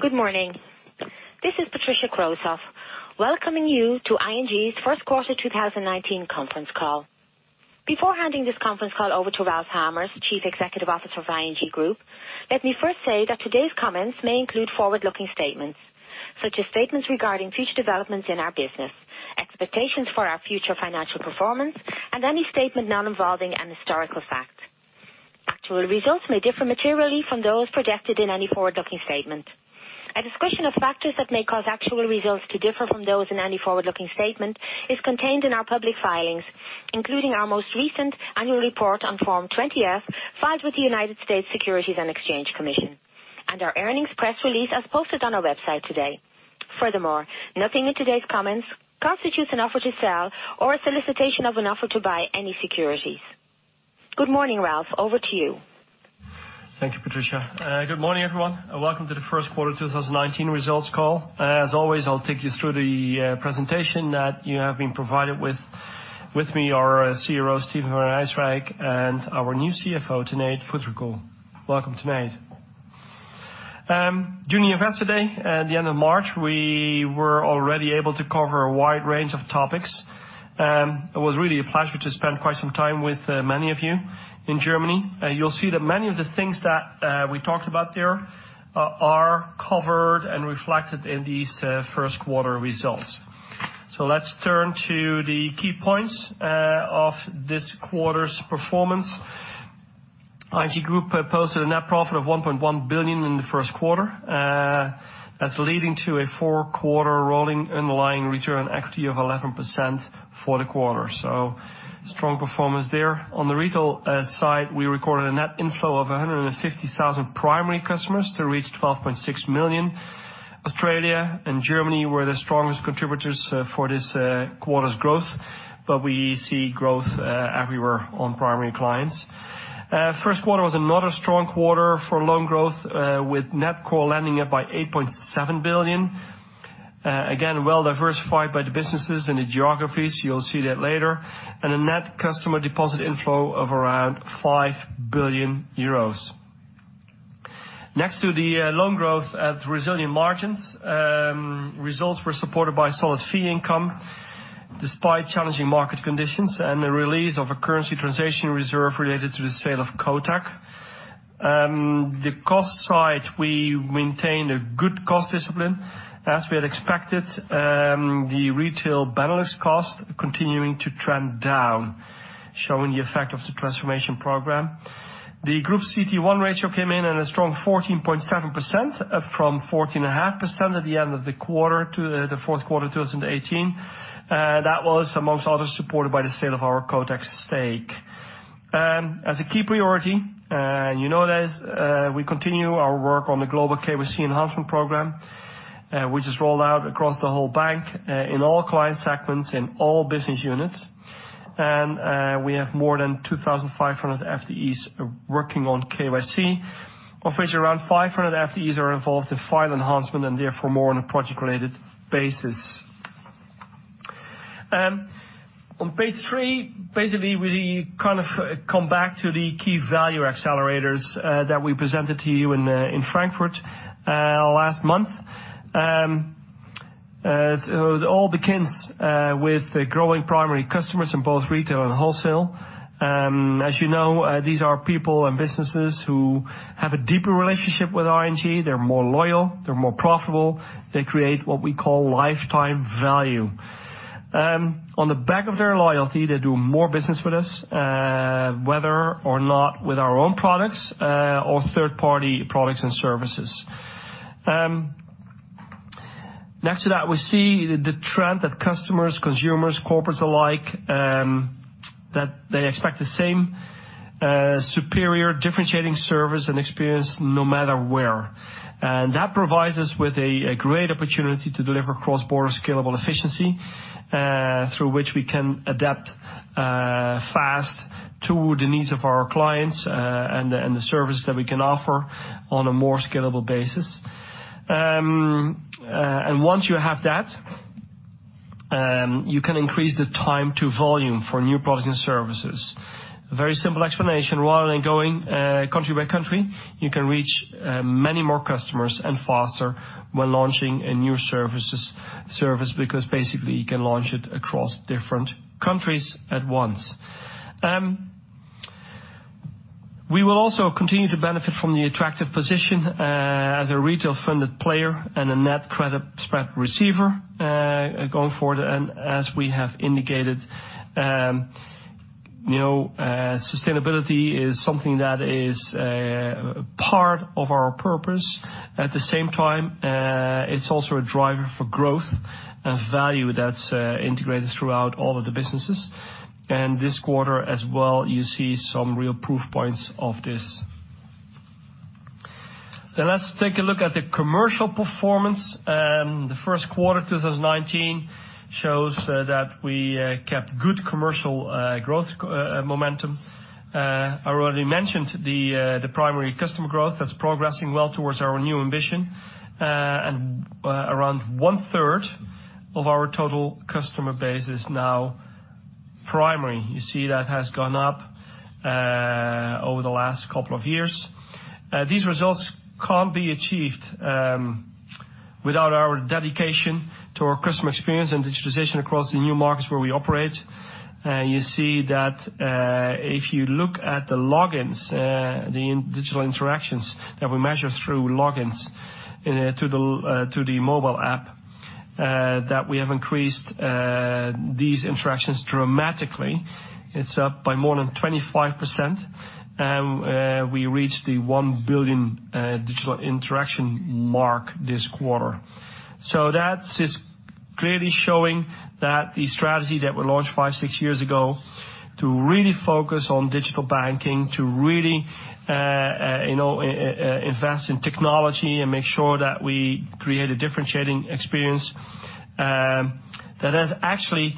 Good morning. This is Patricia [Klosauf] welcoming you to ING's First Quarter 2019 Conference Call. Before handing this conference call over to Ralph Hamers, Chief Executive Officer of ING Groep, let me first say that today's comments may include forward-looking statements, such as statements regarding future developments in our business, expectations for our future financial performance, and any statement not involving an historical fact. A discussion of factors that may cause actual results to differ from those in any forward-looking statement is contained in our public filings, including our most recent annual report on Form 20-F filed with the United States Securities and Exchange Commission, and our earnings press release, as posted on our website today. Furthermore, nothing in today's comments constitutes an offer to sell or a solicitation of an offer to buy any securities. Good morning, Ralph. Over to you. Thank you, Patricia. Good morning, everyone. Welcome to the first quarter 2019 results call. As always, I'll take you through the presentation that you have been provided with. With me are CEO Steven van Rijswijk and our new CFO, Tanate Phutrakul. Welcome, Tanate. During Investor Day, at the end of March, we were already able to cover a wide range of topics. It was really a pleasure to spend quite some time with many of you in Germany. You'll see that many of the things that we talked about there are covered and reflected in these first quarter results. Let's turn to the key points of this quarter's performance. ING Groep posted a net profit of 1.1 billion in the first quarter. That's leading to a four-quarter rolling underlying return equity of 11% for the quarter. Strong performance there. On the retail side, we recorded a net inflow of 150,000 primary customers to reach 12.6 million. Australia and Germany were the strongest contributors for this quarter's growth, but we see growth everywhere on primary clients. First quarter was another strong quarter for loan growth with net core lending up by 8.7 billion. Again, well-diversified by the businesses and the geographies. You'll see that later, and a net customer deposit inflow of around 5 billion euros. Next to the loan growth at resilient margins, results were supported by solid fee income, despite challenging market conditions and the release of a currency translation reserve related to the sale of Kotak. The cost side, we maintained a good cost discipline. As we had expected, the retail balance cost continuing to trend down, showing the effect of the Transformation program. The group CET1 ratio came in at a strong 14.7% from 14.5% at the end of the fourth quarter of 2018. That was among others, supported by the sale of our Kotak stake. As a key priority, you know this, we continue our work on the global KYC enhancement program, which is rolled out across the whole bank in all client segments, in all business units. We have more than 2,500 FTEs working on KYC, of which around 500 FTEs are involved in file enhancement and therefore more on a project-related basis. On page three, basically, we come back to the key value accelerators that we presented to you in Frankfurt last month. It all begins with growing primary customers in both retail and wholesale. As you know, these are people and businesses who have a deeper relationship with ING. They're more loyal. They're more profitable. They create what we call lifetime value. On the back of their loyalty, they do more business with us, whether or not with our own products, or third-party products and services. Next to that, we see the trend that customers, consumers, corporates alike, that they expect the same superior differentiating service and experience no matter where. That provides us with a great opportunity to deliver cross-border scalable efficiency, through which we can adapt fast to the needs of our clients and the services that we can offer on a more scalable basis. Once you have that, you can increase the time to volume for new products and services. Very simple explanation. Rather than going country by country, you can reach many more customers and faster when launching a new service because basically you can launch it across different countries at once. We will also continue to benefit from the attractive position as a retail-funded player and a net credit spread receiver going forward. As we have indicated, sustainability is something that is part of our purpose. At the same time, it's also a driver for growth and value that's integrated throughout all of the businesses. This quarter as well, you see some real proof points of this. Let's take a look at the commercial performance. The first quarter 2019 shows that we kept good commercial growth momentum. I already mentioned the primary customer growth that's progressing well towards our new ambition. Around 1/3 of our total customer base is now primary. You see that has gone up over the last couple of years. These results can't be achieved without our dedication to our customer experience and digitization across the new markets where we operate. You see that if you look at the logins, the digital interactions that we measure through logins to the mobile app, that we have increased these interactions dramatically. It's up by more than 25%, and we reached the one billionth digital interaction mark this quarter. That is clearly showing that the strategy that we launched five, six years ago to really focus on digital banking, to really invest in technology and make sure that we create a differentiating experience, that is actually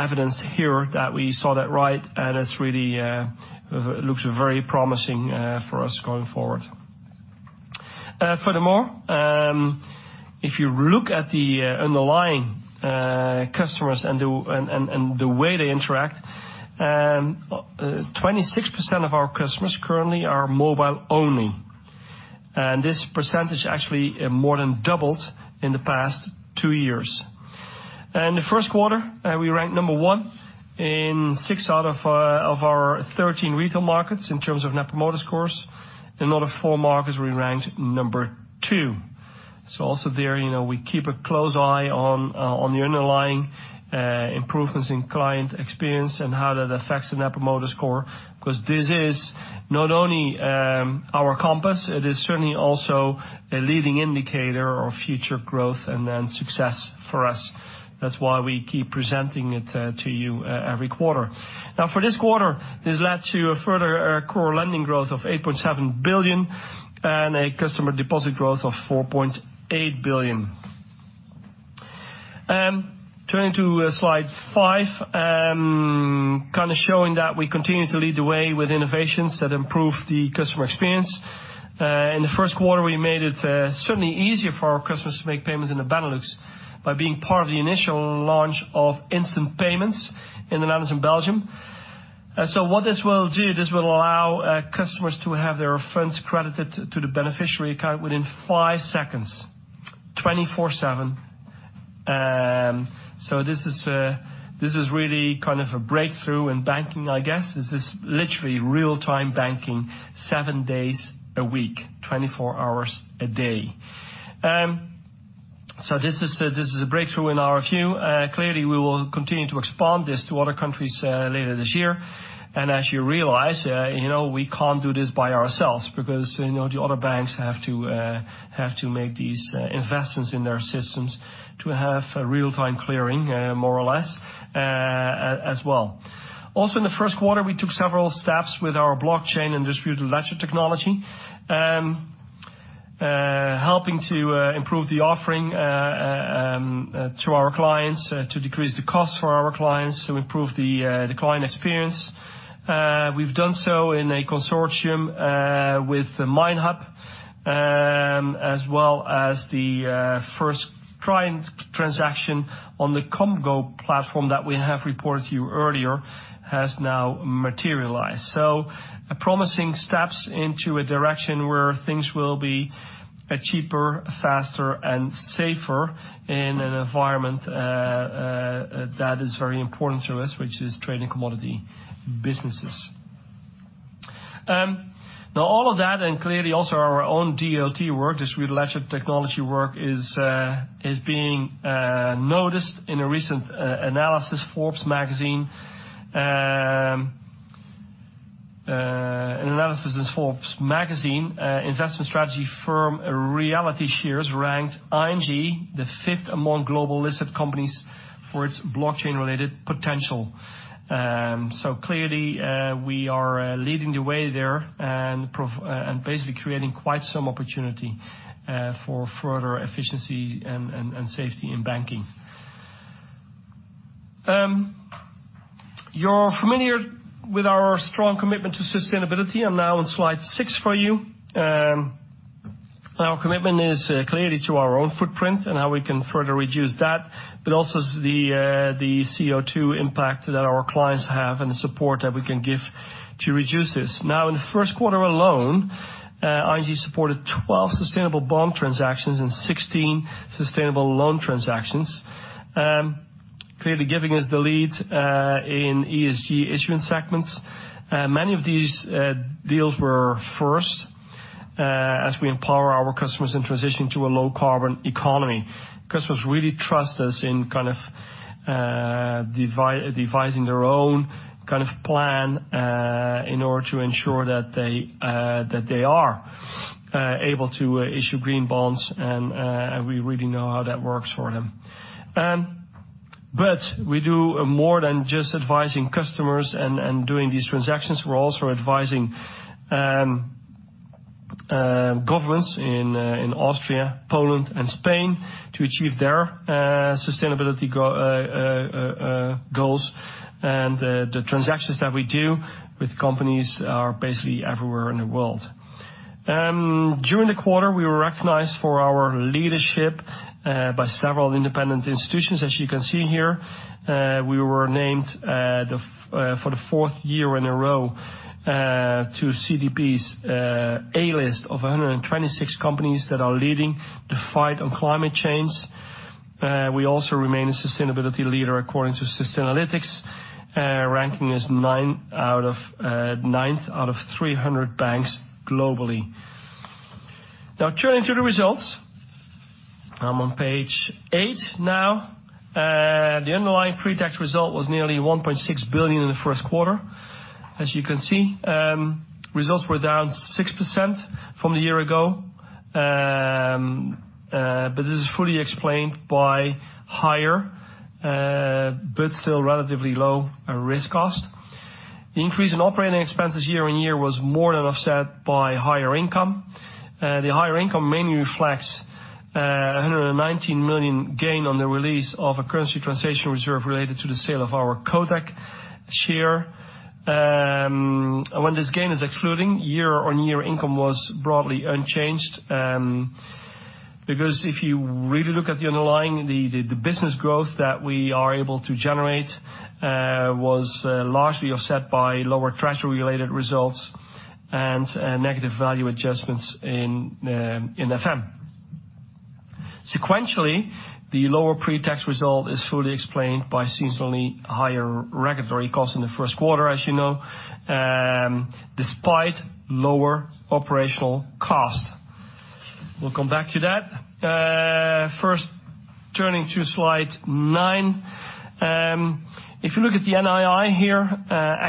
evidence here that we saw that right, and it really looks very promising for us going forward. Furthermore, if you look at the underlying customers and the way they interact, 26% of our customers currently are mobile only. This percentage actually more than doubled in the past two years. In the first quarter, we ranked number one in six out of our 13 retail markets in terms of net promoter scores. In another four markets, we ranked number two. Also there, we keep a close eye on the underlying improvements in client experience and how that affects the net promoter score, because this is not only our compass, it is certainly also a leading indicator of future growth and then success for us. That's why we keep presenting it to you every quarter. For this quarter, this led to a further core lending growth of 8.7 billion and a customer deposit growth of 4.8 billion. Turning to slide five, showing that we continue to lead the way with innovations that improve the customer experience. In the first quarter, we made it certainly easier for our customers to make payments in the Benelux by being part of the initial launch of instant payments in the Netherlands and Belgium. What this will do, this will allow customers to have their funds credited to the beneficiary account within five seconds, 24/7. This is really a breakthrough in banking. This is literally real-time banking, seven days a week, 24 hours a day. This is a breakthrough in our view. Clearly, we will continue to expand this to other countries later this year. As you realize, we can't do this by ourselves because the other banks have to make these investments in their systems to have real-time clearing, more or less, as well. Also in the first quarter, we took several steps with our blockchain and distributed ledger technology, helping to improve the offering to our clients, to decrease the cost for our clients, to improve the client experience. We have done so in a consortium with MineHub, as well as the first client transaction on the Komgo platform that we have reported to you earlier has now materialized. Promising steps into a direction where things will be cheaper, faster, and safer in an environment that is very important to us, which is trade and commodity businesses. All of that and clearly also our own DLT work, this ledger technology work, is being noticed in a recent analysis, Forbes magazine. An analysis in Forbes magazine, investment strategy firm Reality Shares ranked ING the fifth among global listed companies for its blockchain-related potential. Clearly, we are leading the way there and basically creating quite some opportunity for further efficiency and safety in banking. You are familiar with our strong commitment to sustainability. I am now on slide six for you. Our commitment is clearly to our own footprint and how we can further reduce that, but also the CO2 impact that our clients have and the support that we can give to reduce this. In the first quarter alone, ING supported 12 sustainable bond transactions and 16 sustainable loan transactions, clearly giving us the lead in ESG issuance segments. Many of these deals were first as we empower our customers in transition to a low-carbon economy. Customers really trust us in kind of devising their own plan in order to ensure that they are able to issue green bonds, and we really know how that works for them. We do more than just advising customers and doing these transactions. We're also advising governments in Austria, Poland, and Spain to achieve their sustainability goals. The transactions that we do with companies are basically everywhere in the world. During the quarter, we were recognized for our leadership by several independent institutions. As you can see here, we were named for the fourth year in a row to CDP's A list of 126 companies that are leading the fight on climate change. We also remain a sustainability leader according to Sustainalytics, ranking as ninth out of 300 banks globally. Turning to the results. I'm on page eight now. The underlying pre-tax result was nearly 1.6 billion in the first quarter. As you can see, results were down 6% from a year ago. This is fully explained by higher, but still relatively low risk cost. The increase in operating expenses year-on-year was more than offset by higher income. The higher income mainly reflects 119 million gain on the release of a currency translation reserve related to the sale of our Kotak share. When this gain is excluded, year-on-year income was broadly unchanged. If you really look at the underlying, the business growth that we are able to generate was largely offset by lower treasury-related results and negative value adjustments in FM. Sequentially, the lower pre-tax result is fully explained by seasonally higher regulatory costs in the first quarter, as you know, despite lower operational cost. We'll come back to that. First, turning to slide nine. If you look at the NII here,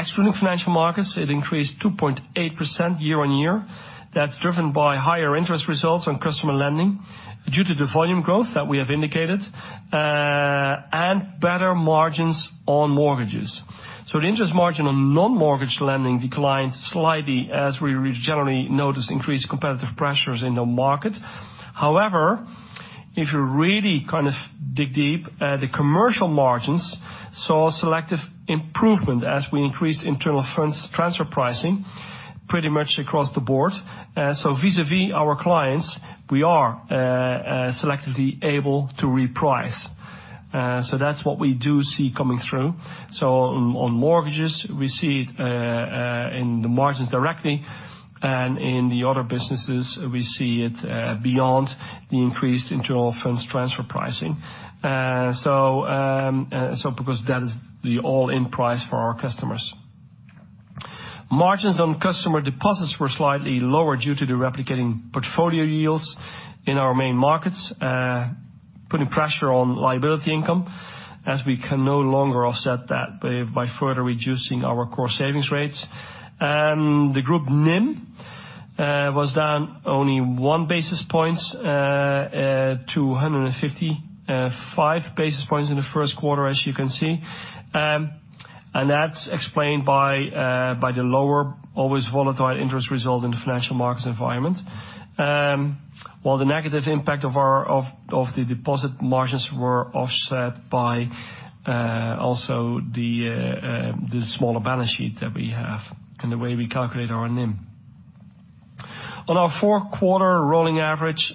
excluding financial markets, it increased 2.8% year-on-year. That's driven by higher interest results on customer lending due to the volume growth that we have indicated, and better margins on mortgages. The interest margin on non-mortgage lending declined slightly as we generally notice increased competitive pressures in the market. However, if you really dig deep, the commercial margins saw selective improvement as we increased internal funds transfer pricing pretty much across the board. Vis-à-vis our clients, we are selectively able to reprice. That's what we do see coming through. On mortgages, we see it in the margins directly, and in the other businesses, we see it beyond the increased internal funds transfer pricing. That is the all-in price for our customers. Margins on customer deposits were slightly lower due to the replicating portfolio yields in our main markets, putting pressure on liability income, as we can no longer offset that by further reducing our core savings rates. The Group NIM was down only one basis point, 255 basis points in the first quarter, as you can see. That's explained by the lower, always volatile interest result in the financial markets environment. While the negative impact of the deposit margins were offset by also the smaller balance sheet that we have and the way we calculate our NIM. On our four-quarter rolling average,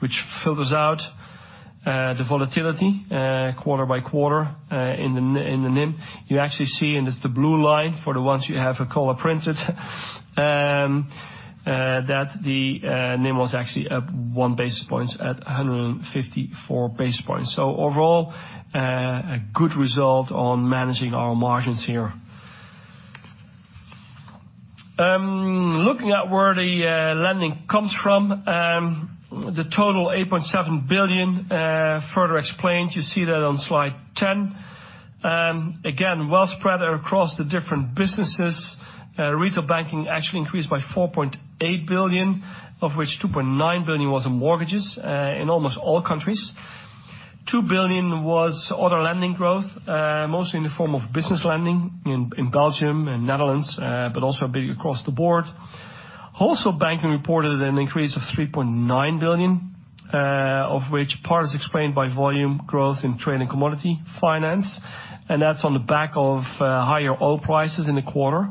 which filters out the volatility quarter-by-quarter in the NIM, you actually see, and it's the blue line for the ones you have in color printed that the NIM was actually up one basis point at 154 basis points. Overall, a good result on managing our margins here. Looking at where the lending comes from, the total 8.7 billion further explained, you see that on slide 10. Again, well spread across the different businesses. Retail banking actually increased by 4.8 billion, of which 2.9 billion was in mortgages in almost all countries. 2 billion was other lending growth, mostly in the form of business lending in Belgium and Netherlands, but also a bit across the board. Wholesale banking reported an increase of 3.9 billion, of which part is explained by volume growth in trade and commodity finance, and that's on the back of higher oil prices in the quarter.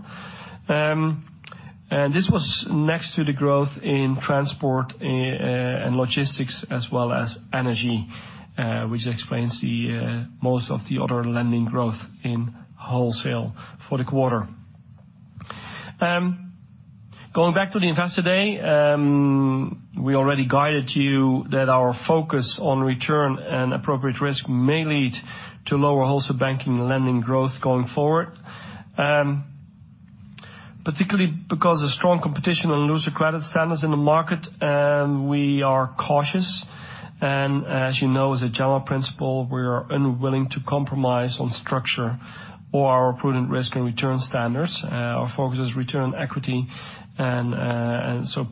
This was next to the growth in transport and logistics as well as energy, which explains most of the other lending growth in wholesale for the quarter. Going back to the Investor Day, we already guided you that our focus on return and appropriate risk may lead to lower wholesale banking lending growth going forward. Particularly because of strong competition and looser credit standards in the market, we are cautious, and as you know, as a general principle, we are unwilling to compromise on structure or our prudent risk and return standards. Our focus is return equity,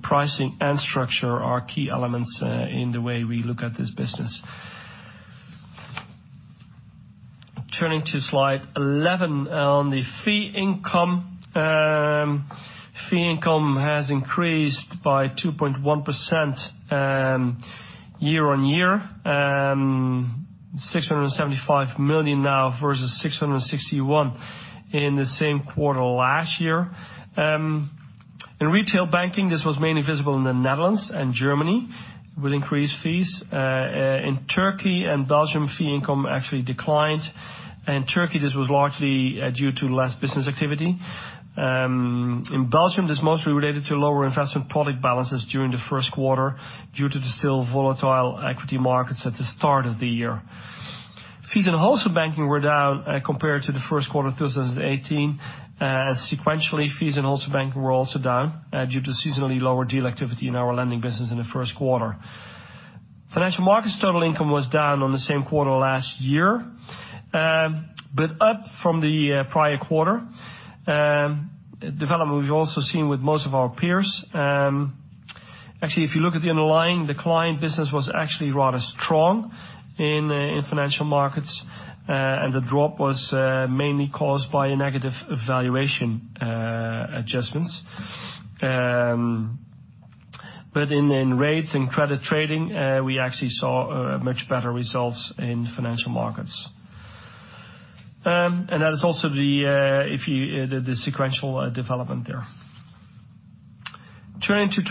pricing and structure are key elements in the way we look at this business. Turning to slide 11 on the fee income. Fee income has increased by 2.1% year-on-year. 675 million now versus 661 million in the same quarter last year. In retail banking, this was mainly visible in the Netherlands and Germany with increased fees. In Turkey and Belgium, fee income actually declined. In Turkey, this was largely due to less business activity. In Belgium, it is mostly related to lower investment product balances during the first quarter due to the still volatile equity markets at the start of the year. Fees in Wholesale Banking were down compared to the first quarter of 2018. Sequentially, fees in Wholesale Banking were also down due to seasonally lower deal activity in our lending business in the first quarter. Financial markets total income was down on the same quarter last year, up from the prior quarter. Development we've also seen with most of our peers. Actually, if you look at the underlying, the client business was actually rather strong in financial markets. The drop was mainly caused by negative evaluation adjustments. In rates and credit trading, we actually saw much better results in financial markets. That is also the sequential development there. Turning to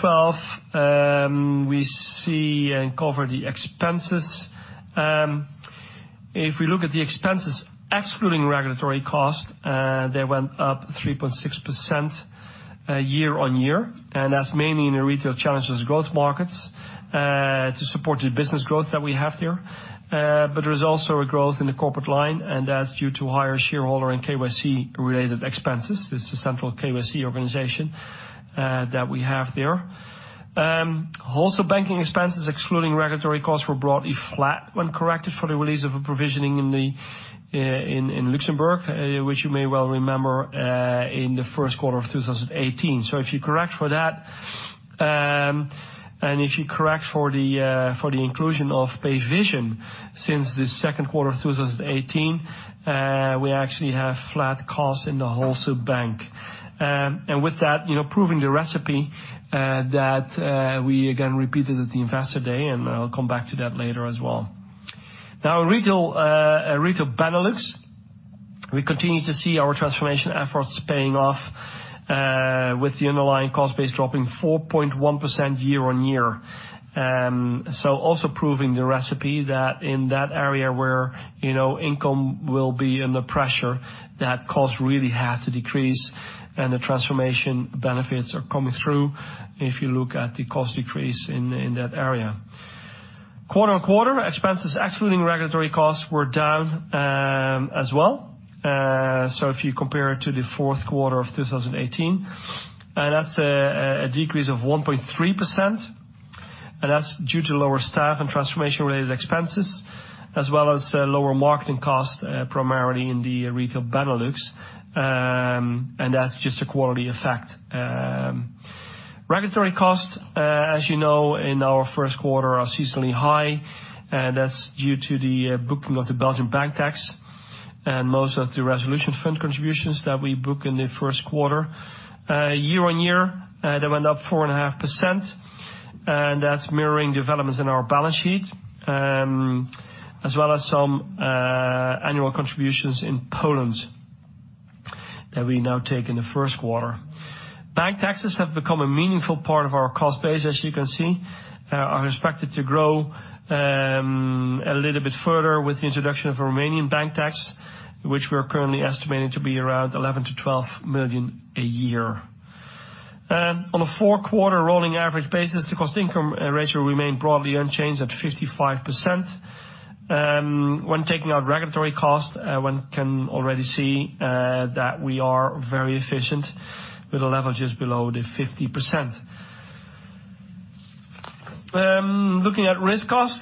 12, we see and cover the expenses. If we look at the expenses, excluding regulatory costs, they went up 3.6% year-on-year, that's mainly in the Retail Challengers & Growth Markets to support the business growth that we have there. There is also a growth in the corporate line, that's due to higher shareholder and KYC-related expenses. This is central KYC organization that we have there. Wholesale Banking expenses, excluding regulatory costs, were broadly flat when corrected for the release of a provisioning in Luxembourg, which you may well remember, in the first quarter of 2018. If you correct for that, if you correct for the inclusion of Payvision since the second quarter of 2018, we actually have flat costs in the Wholesale Bank. With that, proving the recipe that we again repeated at the Investor Day, I'll come back to that later as well. Retail Benelux, we continue to see our Transformation efforts paying off with the underlying cost base dropping 4.1% year-on-year. Also proving the recipe that in that area where income will be under pressure, that costs really have to decrease, and the Transformation benefits are coming through if you look at the cost decrease in that area. Quarter-on-quarter, expenses excluding regulatory costs, were down as well. If you compare it to the fourth quarter of 2018, that's a decrease of 1.3%, and that's due to lower staff and Transformation-related expenses as well as lower marketing costs, primarily in the Retail Benelux. That's just a quality effect. Regulatory costs, as you know, in our first quarter are seasonally high, and that's due to the booking of the Belgian bank tax and most of the resolution fund contributions that we book in the first quarter. Year-on-year, they went up 4.5%, that's mirroring developments in our balance sheet, as well as some annual contributions in Poland that we now take in the first quarter. Bank taxes have become a meaningful part of our cost base, as you can see, are expected to grow a little bit further with the introduction of a Romanian bank tax, which we're currently estimating to be around 11 million - 12 million a year. On a four-quarter rolling average basis, the cost-income ratio remained broadly unchanged at 55%. When taking out regulatory costs, one can already see that we are very efficient with a level just below the 50%. Looking at risk cost,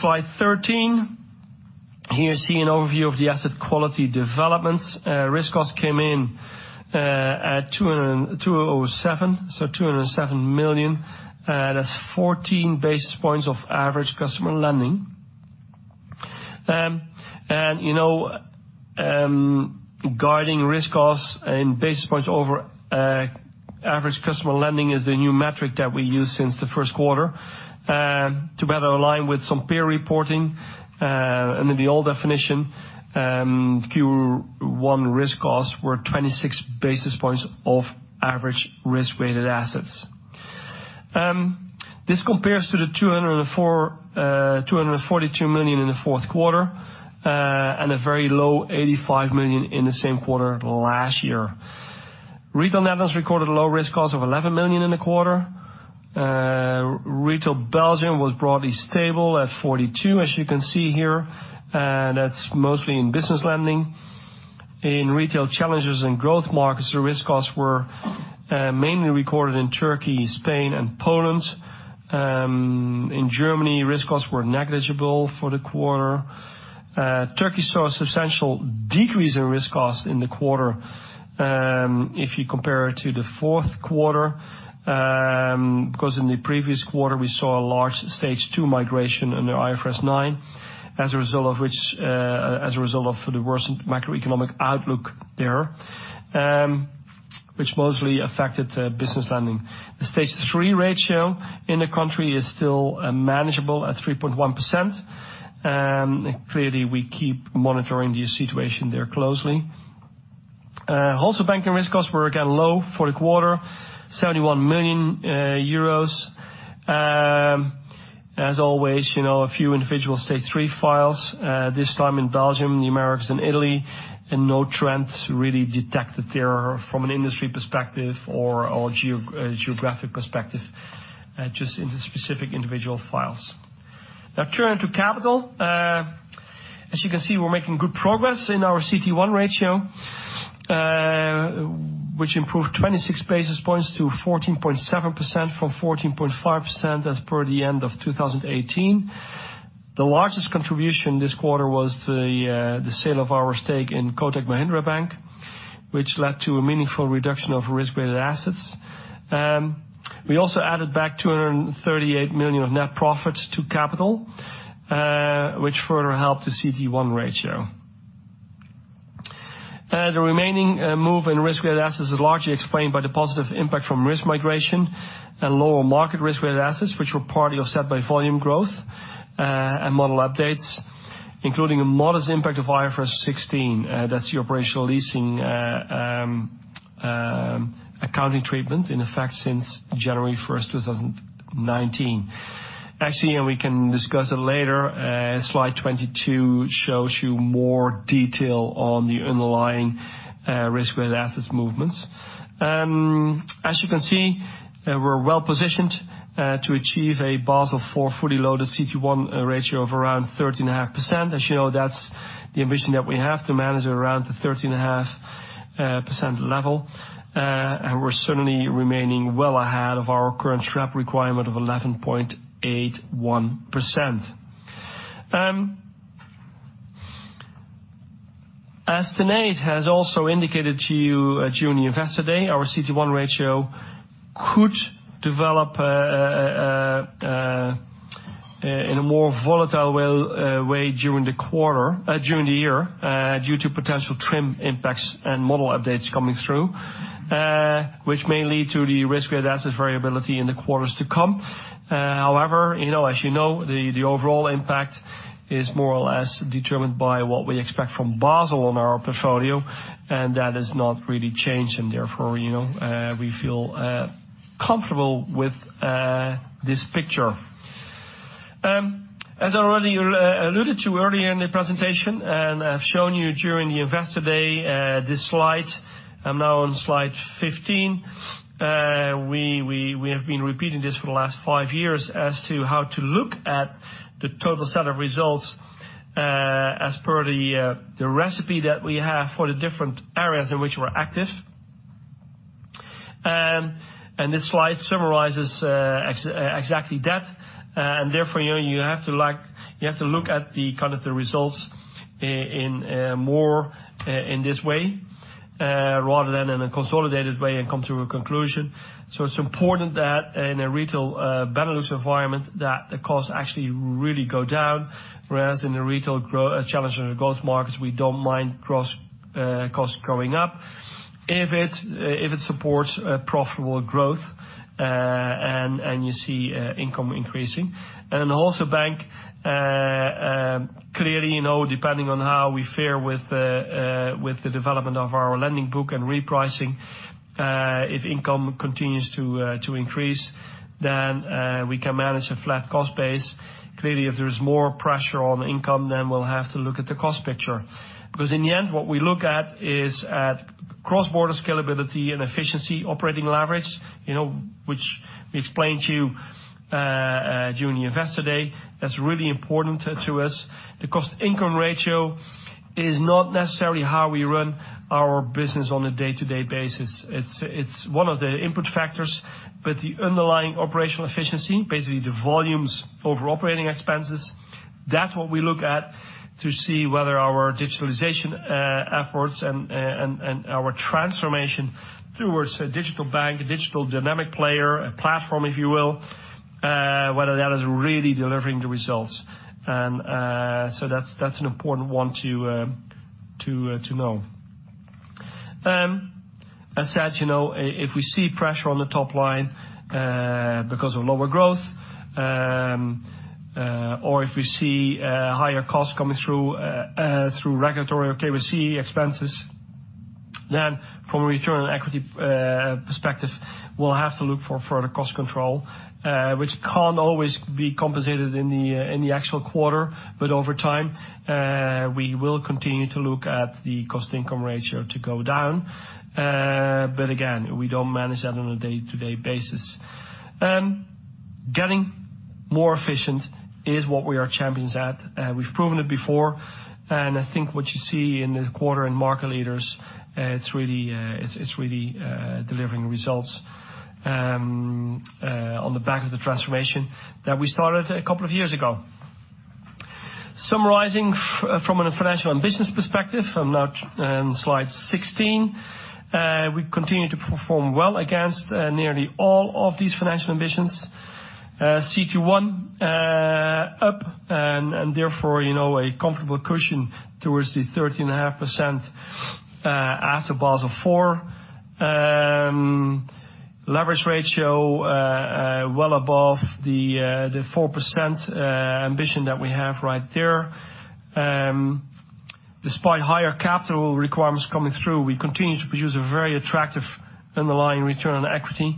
slide 13. Here, you see an overview of the asset quality developments. Risk cost came in at 207 million. That's 14 basis points of average customer lending. Guiding risk cost in basis points over average customer lending is the new metric that we use since the first quarter to better align with some peer reporting. Under the old definition, Q1 risk costs were 26 basis points off average risk-weighted assets. This compares to the 242 million in the fourth quarter, and a very low 85 million in the same quarter last year. Retail Netherlands recorded a low risk cost of 11 million in the quarter. Retail Belgium was broadly stable at 42 million, as you can see here, that's mostly in business lending. In Retail Challengers & Growth Markets, the risk costs were mainly recorded in Turkey, Spain and Poland. In Germany, risk costs were negligible for the quarter. Turkey saw a substantial decrease in risk cost in the quarter if you compare it to the fourth quarter, because in the previous quarter, we saw a large Stage 2 migration under IFRS 9 as a result of the worsened macroeconomic outlook there. Which mostly affected business lending. The Stage 3 ratio in the country is still manageable at 3.1%, clearly we keep monitoring the situation there closely. Wholesale banking risk costs were again low for the quarter, 71 million euros. As always, a few individual Stage 3 files, this time in Belgium, the Americas, and Italy, no trends really detected there from an industry perspective or geographic perspective, just into specific individual files. Turning to capital. As you can see, we're making good progress in our CET1 ratio, which improved 26 basis points to 14.7% from 14.5% as per the end of 2018. The largest contribution this quarter was the sale of our stake in Kotak Mahindra Bank, which led to a meaningful reduction of risk-weighted assets. We also added back 238 million of net profits to capital, which further helped the CET1 ratio. The remaining move in risk-weighted assets is largely explained by the positive impact from risk migration and lower market risk-weighted assets, which were partly offset by volume growth and model updates, including a modest impact of IFRS 16. That's the operational leasing accounting treatment in effect since January 1st, 2019. Actually, and we can discuss it later, slide 22 shows you more detail on the underlying risk-weighted assets movements. As you can see, we're well-positioned to achieve a Basel IV fully loaded CET1 ratio of around 13.5%. As you know, that's the ambition that we have to manage around the 13.5% level. We're certainly remaining well ahead of our current trap requirement of 11.81%. As Tanate has also indicated to you during the Investor Day, our CET1 ratio could develop in a more volatile way during the year due to potential TRIM impacts and model updates coming through, which may lead to the risk-weighted assets variability in the quarters to come. However, as you know, the overall impact is more or less determined by what we expect from Basel on our portfolio, and that has not really changed. Therefore, we feel comfortable with this picture. As I already alluded to earlier in the presentation, and I've shown you during the Investor Day, this slide. I'm now on slide 15. We have been repeating this for the last five years as to how to look at the total set of results as per the recipe that we have for the different areas in which we're active. This slide summarizes exactly that. Therefore, you have to look at the results more in this way rather than in a consolidated way and come to a conclusion. It's important that in a retail Benelux environment, that the costs actually really go down, whereas in the retail challenge in the growth markets, we don't mind costs going up, if it supports profitable growth and you see income increasing. Then the Wholesale Bank, clearly, depending on how we fare with the development of our lending book and repricing, if income continues to increase, then we can manage a flat cost base. Clearly, if there's more pressure on income, then we'll have to look at the cost picture. In the end, what we look at is at cross-border scalability and efficiency operating leverage, which we explained to you during the Investor Day. That's really important to us. The cost-income ratio is not necessarily how we run our business on a day-to-day basis. It's one of the input factors, but the underlying operational efficiency, basically the volumes over operating expenses, that's what we look at to see whether our digitalization efforts and our Transformation towards a digital bank, a digital dynamic player, a platform, if you will, whether that is really delivering the results. That's an important one to know. As said, if we see pressure on the top line because of lower growth, or if we see higher costs coming through regulatory or KYC expenses, then from a return on equity perspective, we'll have to look for further cost control, which can't always be compensated in the actual quarter, but over time, we will continue to look at the cost-income ratio to go down. Again, we don't manage that on a day-to-day basis. Getting more efficient is what we are champions at. We've proven it before, I think what you see in this quarter in Market Leaders, it's really delivering results on the back of the Transformation that we started a couple of years ago. Summarizing from a financial and business perspective, I'm now on slide 16. We continue to perform well against nearly all of these financial ambitions. CET1 up, therefore, a comfortable cushion towards the 13.5% after Basel IV. Leverage ratio well above the 4% ambition that we have right there. Despite higher capital requirements coming through, we continue to produce a very attractive underlying return on equity,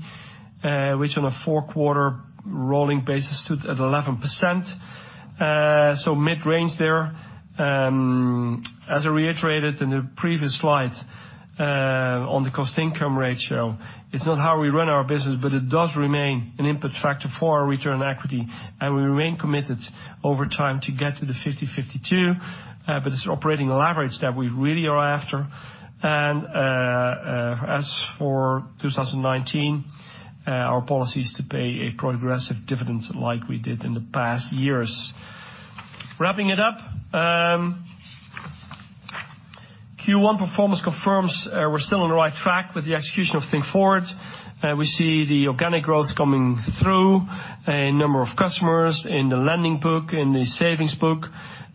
which on a four-quarter rolling basis stood at 11%. Mid-range there. As I reiterated in the previous slide, on the cost-income ratio, it's not how we run our business, it does remain an input factor for our return on equity, we remain committed over time to get to the 50/52. It's operating leverage that we really are after. As for 2019, our policy is to pay a progressive dividend like we did in the past years. Wrapping it up. Q1 performance confirms we're still on the right track with the execution of Think Forward. We see the organic growth coming through, number of customers in the lending book, in the savings book.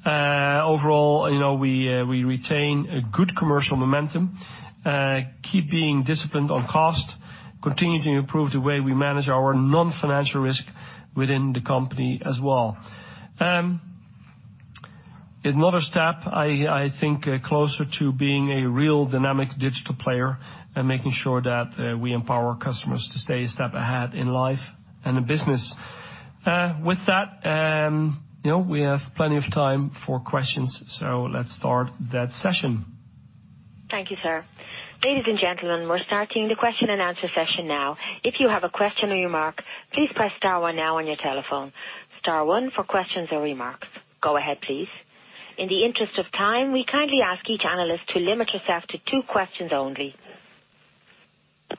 Overall, we retain a good commercial momentum, keep being disciplined on cost, continuing to improve the way we manage our non-financial risk within the company as well. Another step, I think, closer to being a real dynamic digital player and making sure that we empower our customers to stay a step ahead in life and in business. With that, we have plenty of time for questions. Let's start that session. Thank you, sir.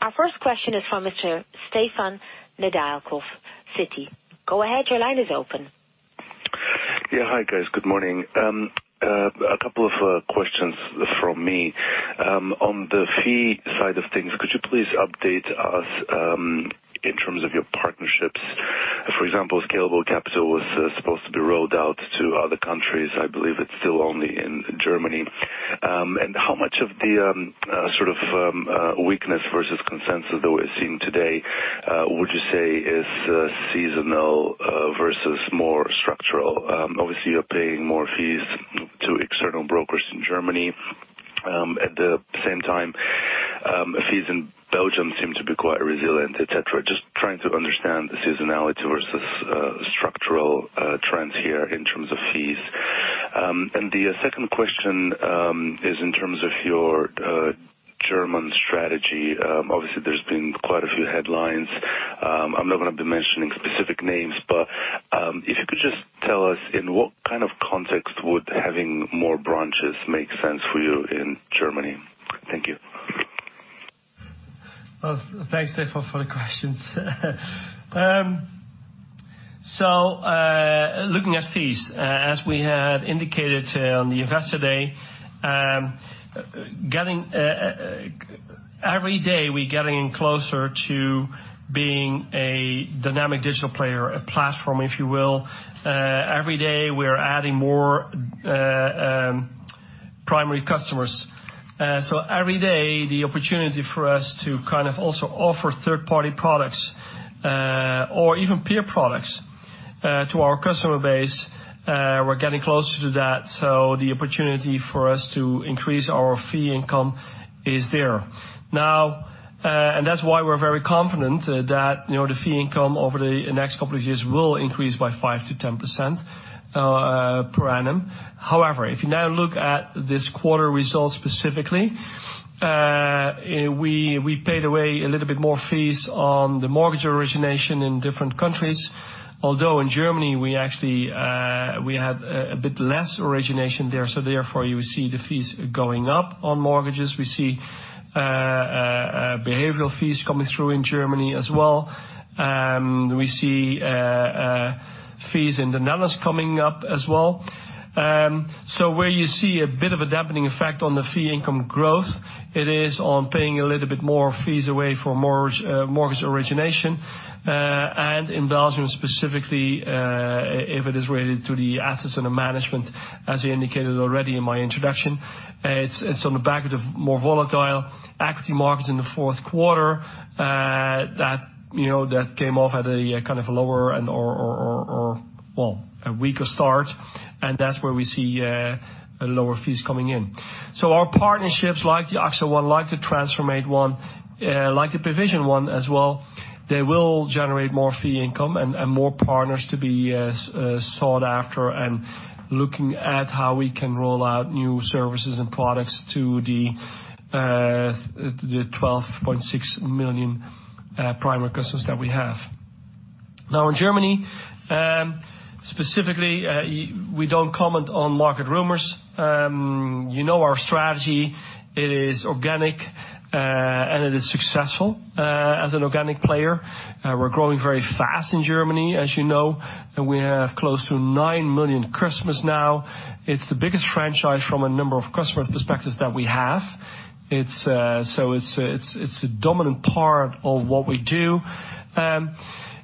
Our first question is from Mr. Stefan Nedialkov, Citi. Go ahead, your line is open. Yeah. Hi, guys. Good morning. A couple of questions from me. On the fee side of things, could you please update us in terms of your partnerships? For example, Scalable Capital was supposed to be rolled out to other countries. I believe it's still only in Germany. How much of the sort of weakness versus consensus that we're seeing today, would you say is seasonal versus more structural? Obviously, you're paying more fees to external brokers in Germany. At the same time, fees in Belgium seem to be quite resilient, et cetera. Just trying to understand the seasonality versus structural trends here in terms of fees. The second question is in terms of your German strategy. Obviously, there's been quite a few headlines. I'm not going to be mentioning specific names, but if you could just tell us in what kind of context would having more branches make sense for you in Germany? Thank you. Thanks, Stefan, for the questions. Looking at fees, as we had indicated on the Investor Day, every day, we're getting closer to being a dynamic digital player, a platform, if you will. Every day, we're adding more primary customers. Every day, the opportunity for us to kind of also offer third-party products or even peer products to our customer base, we're getting closer to that. The opportunity for us to increase our fee income is there. That's why we're very confident that the fee income over the next couple of years will increase by 5%-10% per annum. However, if you now look at this quarter results specifically, we paid away a little bit more fees on the mortgage origination in different countries, although in Germany, we had a bit less origination there. Therefore, you see the fees going up on mortgages. We see behavioral fees coming through in Germany as well. We see fees in the Netherlands coming up as well. Where you see a bit of a dampening effect on the fee income growth, it is on paying a little bit more fees away for mortgage origination. In Belgium specifically, if it is related to the assets under management, as I indicated already in my introduction, it's on the back of the more volatile equity markets in the fourth quarter that came off at a lower and/or, a weaker start, and that's where we see lower fees coming in. Our partnerships, like the AXA one, like the Transformation one, like the Payvision one as well, they will generate more fee income and more partners to be sought after and looking at how we can roll out new services and products to the 12,600,000 primary customers that we have. In Germany, specifically, we don't comment on market rumors. You know our strategy. It is organic, and it is successful as an organic player. We're growing very fast in Germany, as you know, and we have close to 9,000,000 customers now. It's the biggest franchise from a number of customers perspectives that we have. It's a dominant part of what we do.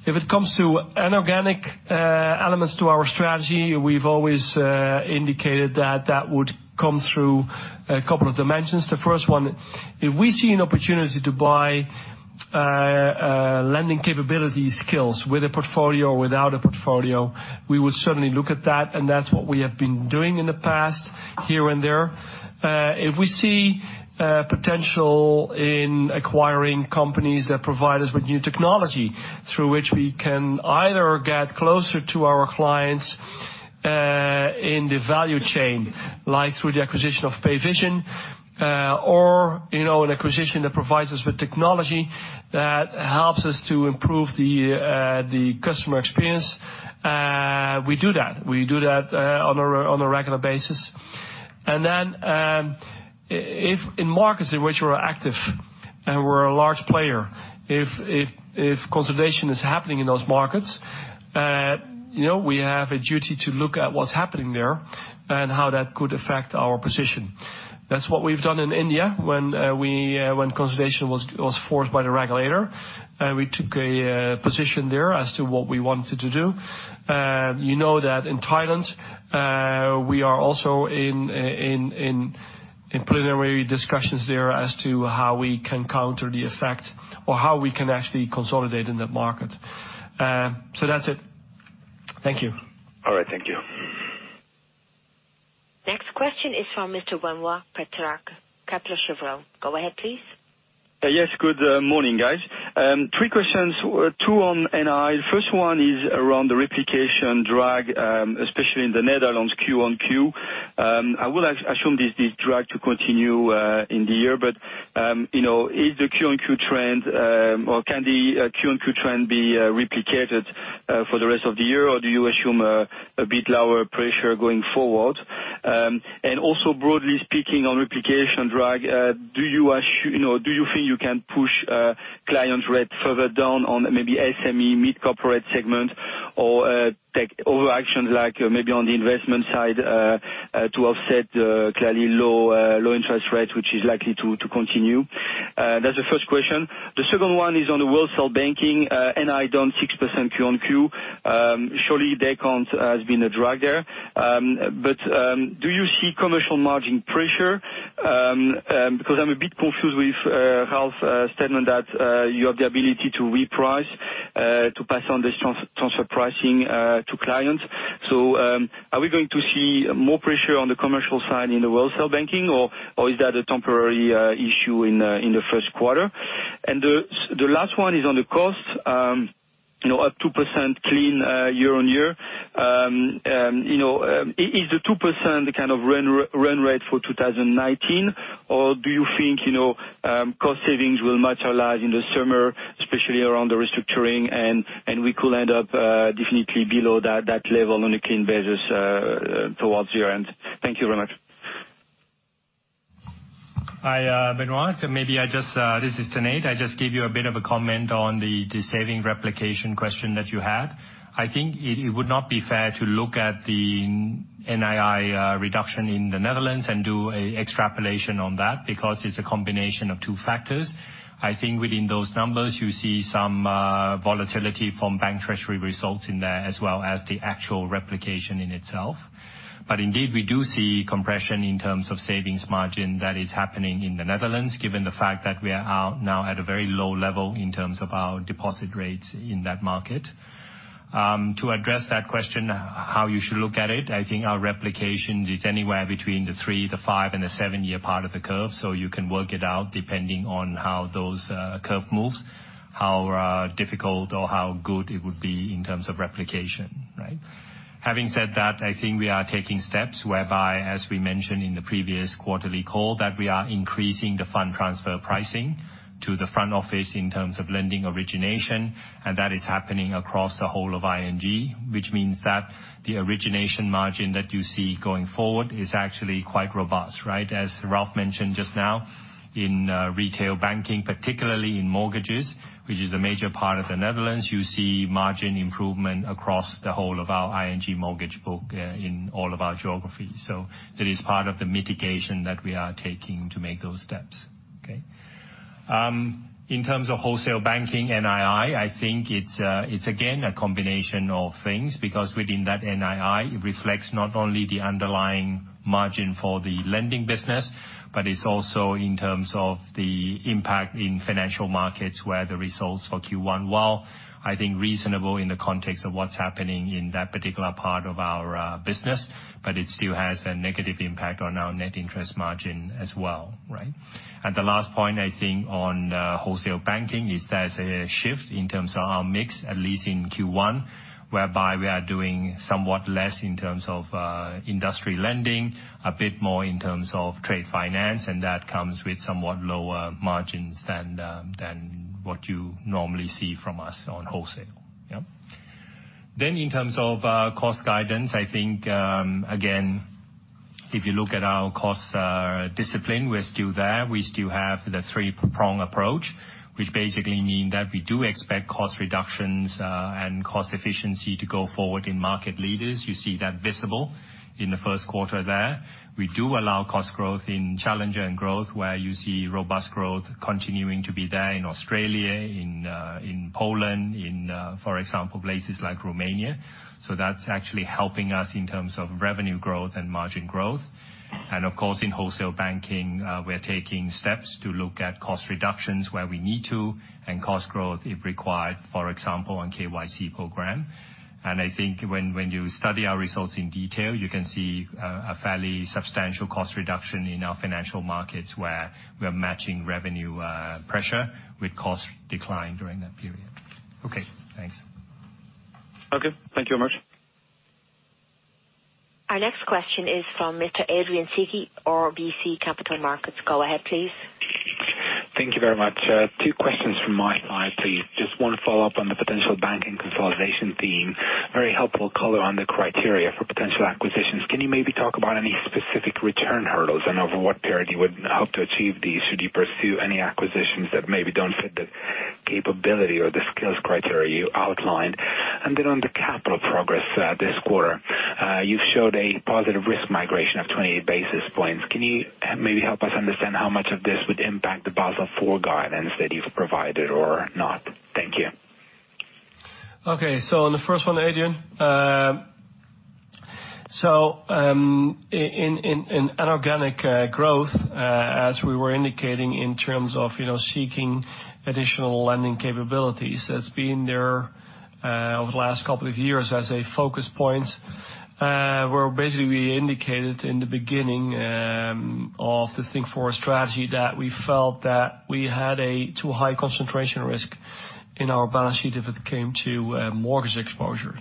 If it comes to inorganic elements to our strategy, we've always indicated that that would come through a couple of dimensions. The first one, if we see an opportunity to buy lending capability skills with a portfolio or without a portfolio, we would certainly look at that, and that's what we have been doing in the past here and there. If we see potential in acquiring companies that provide us with new technology through which we can either get closer to our clients in the value chain, like through the acquisition of Payvision, or an acquisition that provides us with technology that helps us to improve the customer experience, we do that. We do that on a regular basis. If in markets in which we're active and we're a large player, if consolidation is happening in those markets, we have a duty to look at what's happening there and how that could affect our position. That's what we've done in India when consolidation was forced by the regulator. We took a position there as to what we wanted to do. You know that in Thailand, we are also in preliminary discussions there as to how we can counter the effect or how we can actually consolidate in that market. That's it. Thank you. All right. Thank you. Next question is from Mr. Benoît Pétrarque, Kepler Cheuvreux. Go ahead, please. Yes. Good morning, guys. Three questions, two on NII. First one is around the replication drag, especially in the Netherlands Q on Q. I would assume this drag to continue in the year, can the Q on Q trend be replicated for the rest of the year, or do you assume a bit lower pressure going forward? Also, broadly speaking on replication drag, do you think you can push client rate further down on maybe SME mid-corporate segment or take other actions like maybe on the investment side to offset clearly low interest rates, which is likely to continue? That's the first question. The second one is on the wholesale banking. NII down 6% Q on Q. Surely, day count has been a drag there. Do you see commercial margin pressure? I'm a bit confused with Ralph's statement that you have the ability to reprice, to pass on this transfer pricing to clients. Are we going to see more pressure on the commercial side in the wholesale banking, or is that a temporary issue in the first quarter? The last one is on the cost, up 2% clean year-on-year. Is the 2% run rate for 2019, or do you think cost savings will materialize in the summer, especially around the restructuring, and we could end up definitely below that level on a clean basis towards year-end? Thank you very much. Hi, Benoît. This is Tanate. I just give you a bit of a comment on the saving replication question that you had. I think it would not be fair to look at the NII reduction in the Netherlands and do a extrapolation on that, it's a combination of two factors. I think within those numbers, you see some volatility from bank treasury results in there, as well as the actual replication in itself. Indeed, we do see compression in terms of savings margin that is happening in the Netherlands, given the fact that we are now at a very low level in terms of our deposit rates in that market. To address that question, how you should look at it, I think our replication is anywhere between the three, the five, and the seven-year part of the curve. You can work it out depending on how those curve moves, how difficult or how good it would be in terms of replication. Having said that, I think we are taking steps whereby, as we mentioned in the previous quarterly call, that we are increasing the fund transfer pricing to the front office in terms of lending origination, and that is happening across the whole of ING, which means that the origination margin that you see going forward is actually quite robust. As Ralph mentioned just now, in retail banking, particularly in mortgages, which is a major part of the Netherlands, you see margin improvement across the whole of our ING mortgage book in all of our geographies. That is part of the mitigation that we are taking to make those steps. In terms of wholesale banking NII, I think it's again a combination of things, because within that NII, it reflects not only the underlying margin for the lending business, but it's also in terms of the impact in financial markets where the results for Q1, while I think reasonable in the context of what's happening in that particular part of our business, but it still has a negative impact on our net interest margin as well. The last point, I think, on wholesale banking is there's a shift in terms of our mix, at least in Q1, whereby we are doing somewhat less in terms of industry lending, a bit more in terms of trade finance, and that comes with somewhat lower margins than what you normally see from us on wholesale. In terms of cost guidance, I think, again, if you look at our cost discipline, we're still there. We still have the three-prong approach, which basically mean that we do expect cost reductions and cost efficiency to go forward in market leaders. You see that visible in the first quarter there. We do allow cost growth in Challengers & Growth, where you see robust growth continuing to be there in Australia, in Poland, in for example, places like Romania. That's actually helping us in terms of revenue growth and margin growth. Of course, in wholesale banking, we're taking steps to look at cost reductions where we need to and cost growth if required, for example, on KYC program. I think when you study our results in detail, you can see a fairly substantial cost reduction in our financial markets where we're matching revenue pressure with cost decline during that period. Okay, thanks. Okay. Thank you very much. Our next question is from Mr. Adrian Cighi, RBC Capital Markets. Go ahead, please. Thank you very much. Two questions from my side, please. Just one follow-up on the potential banking consolidation theme. Very helpful color on the criteria for potential acquisitions. Can you maybe talk about any specific return hurdles and over what period you would hope to achieve these? Should you pursue any acquisitions that maybe don't fit the capability or the skills criteria you outlined? On the capital progress this quarter. You've showed a positive risk migration of 28 basis points. Can you maybe help us understand how much of this would impact the Basel IV guidance that you've provided or not? Thank you. On the first one, Adrian. In an organic growth, as we were indicating in terms of seeking additional lending capabilities, that's been there over the last couple of years as a focus point, where basically we indicated in the beginning of the Think Forward strategy that we felt that we had a too high concentration risk in our balance sheet if it came to mortgage exposure.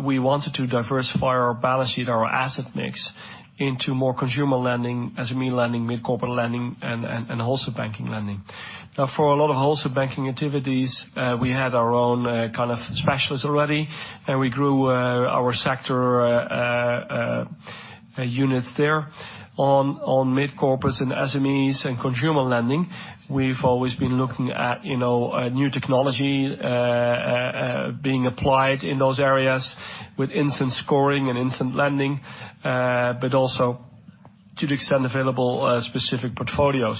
We wanted to diversify our balance sheet, our asset mix, into more consumer lending, SME lending, mid-corporate lending, and wholesale banking lending. For a lot of wholesale banking activities, we had our own specialists already, and we grew our sector units there. On mid-corporates and SMEs and consumer lending, we've always been looking at new technology being applied in those areas with instant scoring and instant lending, but also to the extent available, specific portfolios.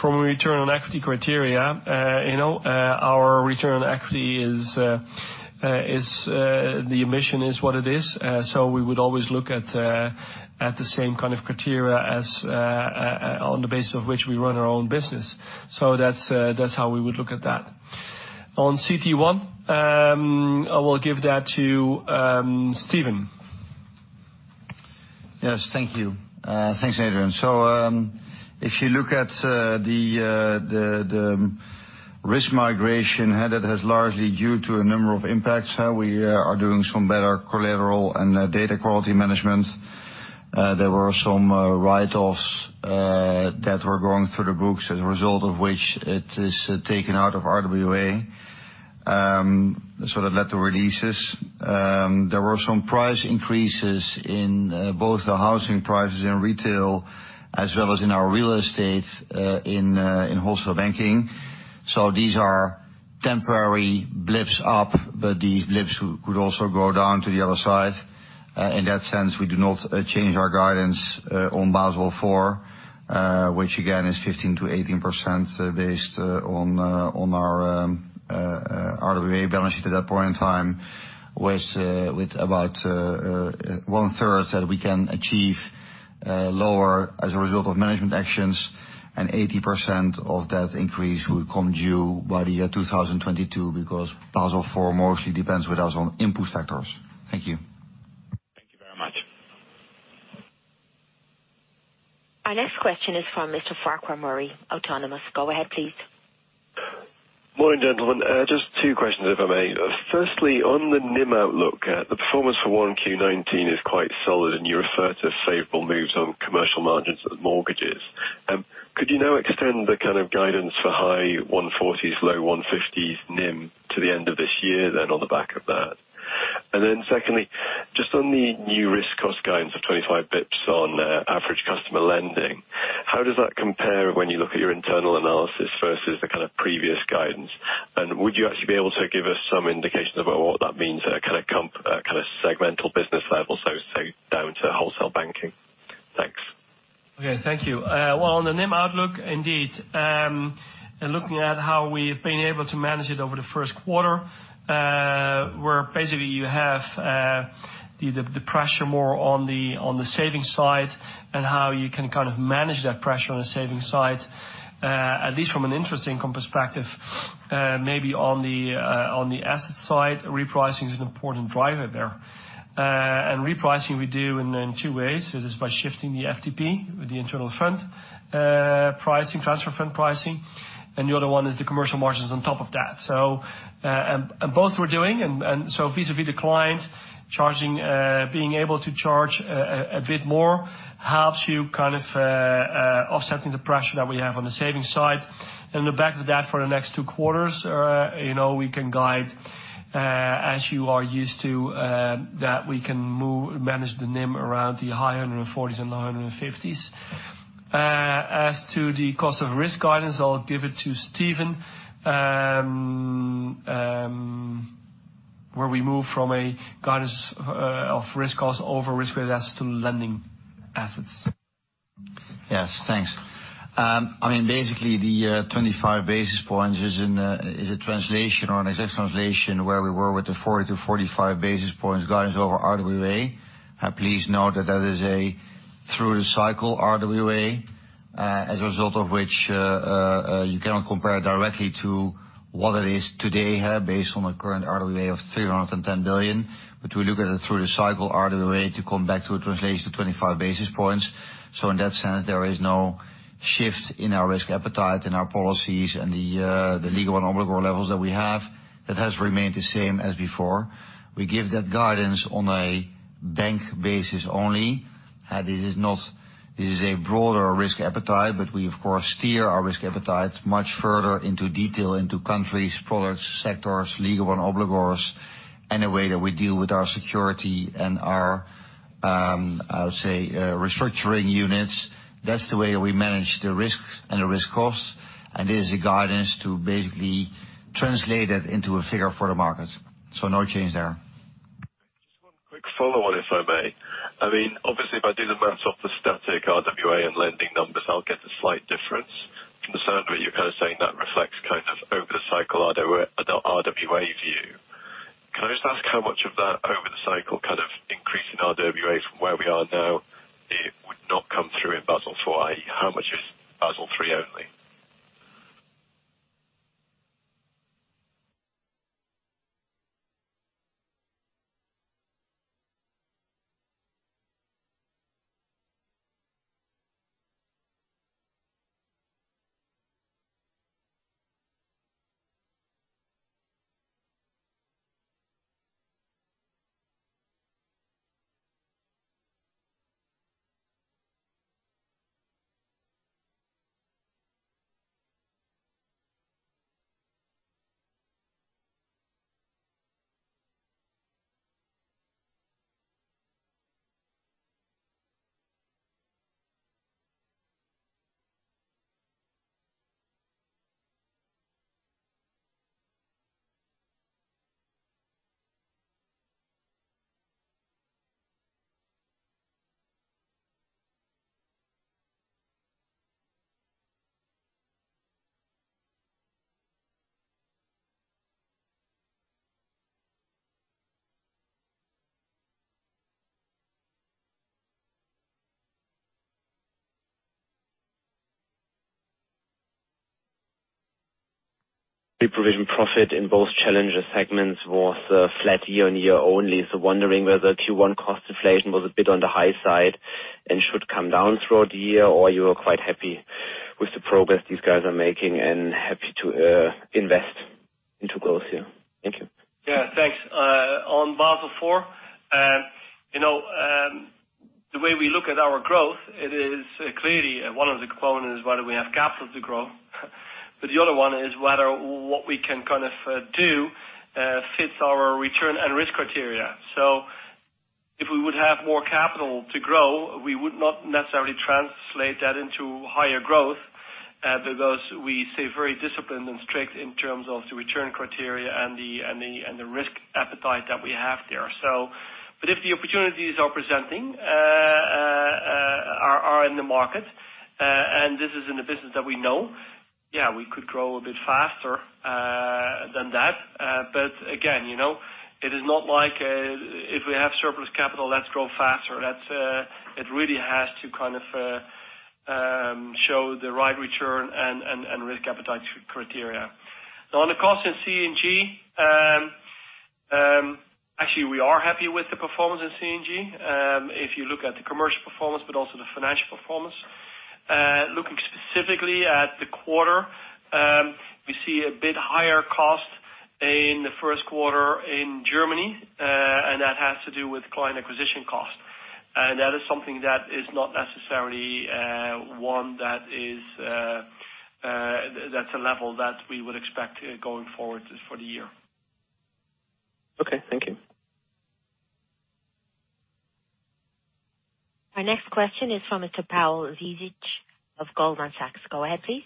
From a return on equity criteria, our return on equity, the ambition is what it is. We would always look at the same kind of criteria on the basis of which we run our own business. That's how we would look at that. On CET1, I will give that to Steven. Yes. Thank you. Thanks, Adrian. If you look at the risk migration, that is largely due to a number of impacts. We are doing some better collateral and data quality management. There were some write-offs that were going through the books, as a result of which it is taken out of RWA. Sort of collateral releases. There were some price increases in both the housing prices in retail as well as in our real estate in wholesale banking. These are temporary blips up, but these blips could also go down to the other side. In that sense, we do not change our guidance on Basel IV, which again is 15%-18% based on our RWA balance sheet at that point in time, with about one-third that we can achieve lower as a result of management actions and 80% of that increase will come due by the year 2022 because Basel IV mostly depends with us on input factors. Thank you. Thank you very much. Our next question is from Mr. Farquhar Murray, Autonomous. Go ahead, please. Morning, gentlemen. Just two questions, if I may. Firstly, on the NIM outlook, the performance for 1Q19 is quite solid, and you refer to favorable moves on commercial margins with mortgages. Could you now extend the kind of guidance for high 140s, low 150s NIM to the end of this year on the back of that? Secondly, just on the new risk cost guidance of 25 basis points on average customer lending, how does that compare when you look at your internal analysis versus the kind of previous guidance? Would you actually be able to give us some indication about what that means at a segmental business level, so to say, down to wholesale banking? Thanks. Thank you. On the NIM outlook, indeed, looking at how we've been able to manage it over the first quarter, where basically you have the pressure more on the savings side and how you can manage that pressure on the savings side, at least from an interest income perspective. Maybe on the asset side, repricing is an important driver there. Repricing we do in two ways. It is by shifting the FTP with the internal fund pricing, transfer fund pricing. The other one is the commercial margins on top of that. Both we're doing, vis-à-vis the client, being able to charge a bit more helps you offsetting the pressure that we have on the savings side. On the back of that for the next two quarters, we can guide as you are used to, that we can manage the NIM around the high 140s and low 150s. As to the cost of risk guidance, I'll give it to Steven, where we move from a guidance of risk cost over risk-weighted assets to lending assets. Yes. Thanks. Basically, the 25 basis points is a translation or an exact translation where we were with the 40 - 45 basis points guidance over RWA. Please note that that is a through-the-cycle RWA, as a result of which you cannot compare directly to what it is today based on the current RWA of 310 billion. We look at it through the cycle RWA to come back to a translation to 25 basis points. In that sense, there is no shift in our risk appetite, in our policies, and the legal and obligor levels that we have. That has remained the same as before. We give that guidance on a bank basis only. This is a broader risk appetite, we of course steer our risk appetite much further into detail into countries, products, sectors, legal and obligors, and the way that we deal with our security and our, I would say, restructuring units. That's the way that we manage the risks and the risk costs, it is a guidance to basically translate it into a figure for the market. No change there. Just one quick follow-on, if I may. Obviously, if I did a match of the static RWA and lending numbers, I'll get a slight difference. From the sound of it, you're saying that reflects over the cycle RWA view. Can I just ask how much of that over the cycle increase in RWAs from where we are now would not come through in Basel IV? How much is Basel III only? The provision profit in both challenger segments was flat year-on-year only. Wondering whether Q1 cost inflation was a bit on the high side should come down throughout the year, you are quite happy with the progress these guys are making and happy to invest into growth here. Thank you. Thanks. On Basel IV, the way we look at our growth, it is clearly one of the components, whether we have capital to grow, the other one is whether what we can do fits our return and risk criteria. If we would have more capital to grow, we would not necessarily translate that into higher growth, because we stay very disciplined and strict in terms of the return criteria and the risk appetite that we have there. If the opportunities are presenting are in the market, and this is in the business that we know, we could grow a bit faster than that. Again, it is not like if we have surplus capital, let's grow faster. It really has to show the right return and risk appetite criteria. On the cost in C&G, actually, we are happy with the performance in C&G. If you look at the commercial performance but also the financial performance. Looking specifically at the quarter, we see a bit higher cost in the first quarter in Germany. That has to do with client acquisition cost. That is something that is not necessarily one that's a level that we would expect going forward for the year. Thank you. Our next question is from Mr. Pawel Dziedzic of Goldman Sachs. Go ahead, please.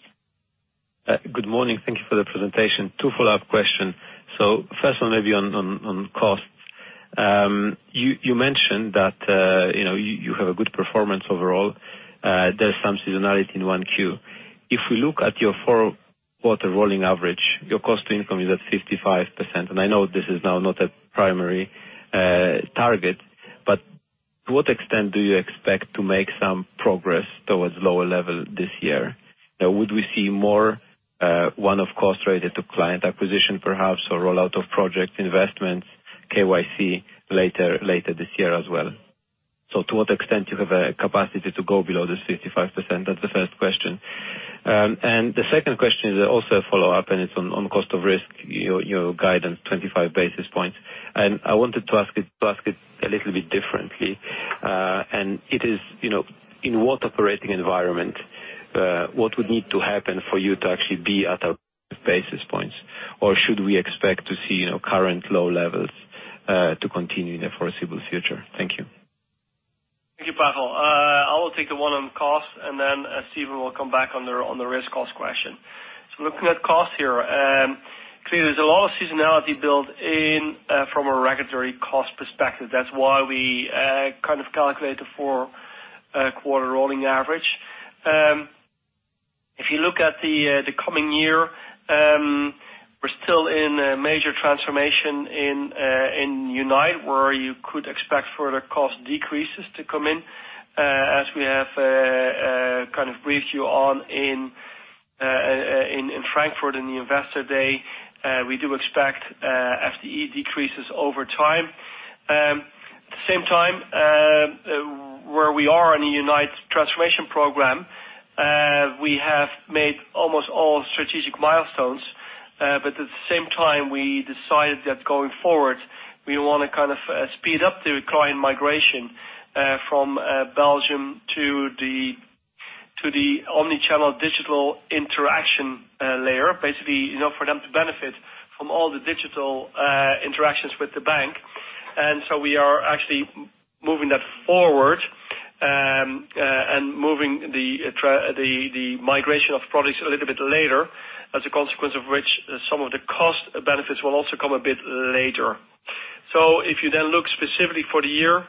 Good morning. Thank you for the presentation. Two follow-up question. First one may be on cost. You mentioned that you have a good performance overall. There's some seasonality in 1Q. If we look at your four-quarter rolling average, your cost to income is at 55%. I know this is now not a primary target, but to what extent do you expect to make some progress towards lower level this year? Would we see more one-off cost related to client acquisition perhaps, or rollout of project investments, KYC later this year as well? To what extent you have a capacity to go below this 55%? That's the first question. The second question is also a follow-up, and it's on cost of risk, your guidance, 25 basis points. I wanted to ask it a little bit differently. It is, in what operating environment, what would need to happen for you to actually be at a basis points? Should we expect to see current low levels to continue in the foreseeable future? Thank you. Thank you, Pawel. I will take the one on cost, and then Steven will come back on the risk cost question. Looking at cost here. Clearly, there's a lot of seasonality built in from a regulatory cost perspective. That's why we calculated the four-quarter rolling average. If you look at the coming year, we're still in a major Transformation in Unite, where you could expect further cost decreases to come in. As we have briefed you on in Frankfurt in the investor day, we do expect FTE decreases over time. At the same time, where we are in the Unite Transformation program. We have made almost all strategic milestones, but at the same time we decided that going forward, we want to speed up the client migration from Belgium to the omni-channel digital interaction layer. Basically, for them to benefit from all the digital interactions with the bank. We are actually moving that forward, and moving the migration of products a little bit later, as a consequence of which some of the cost benefits will also come a bit later. If you then look specifically for the year,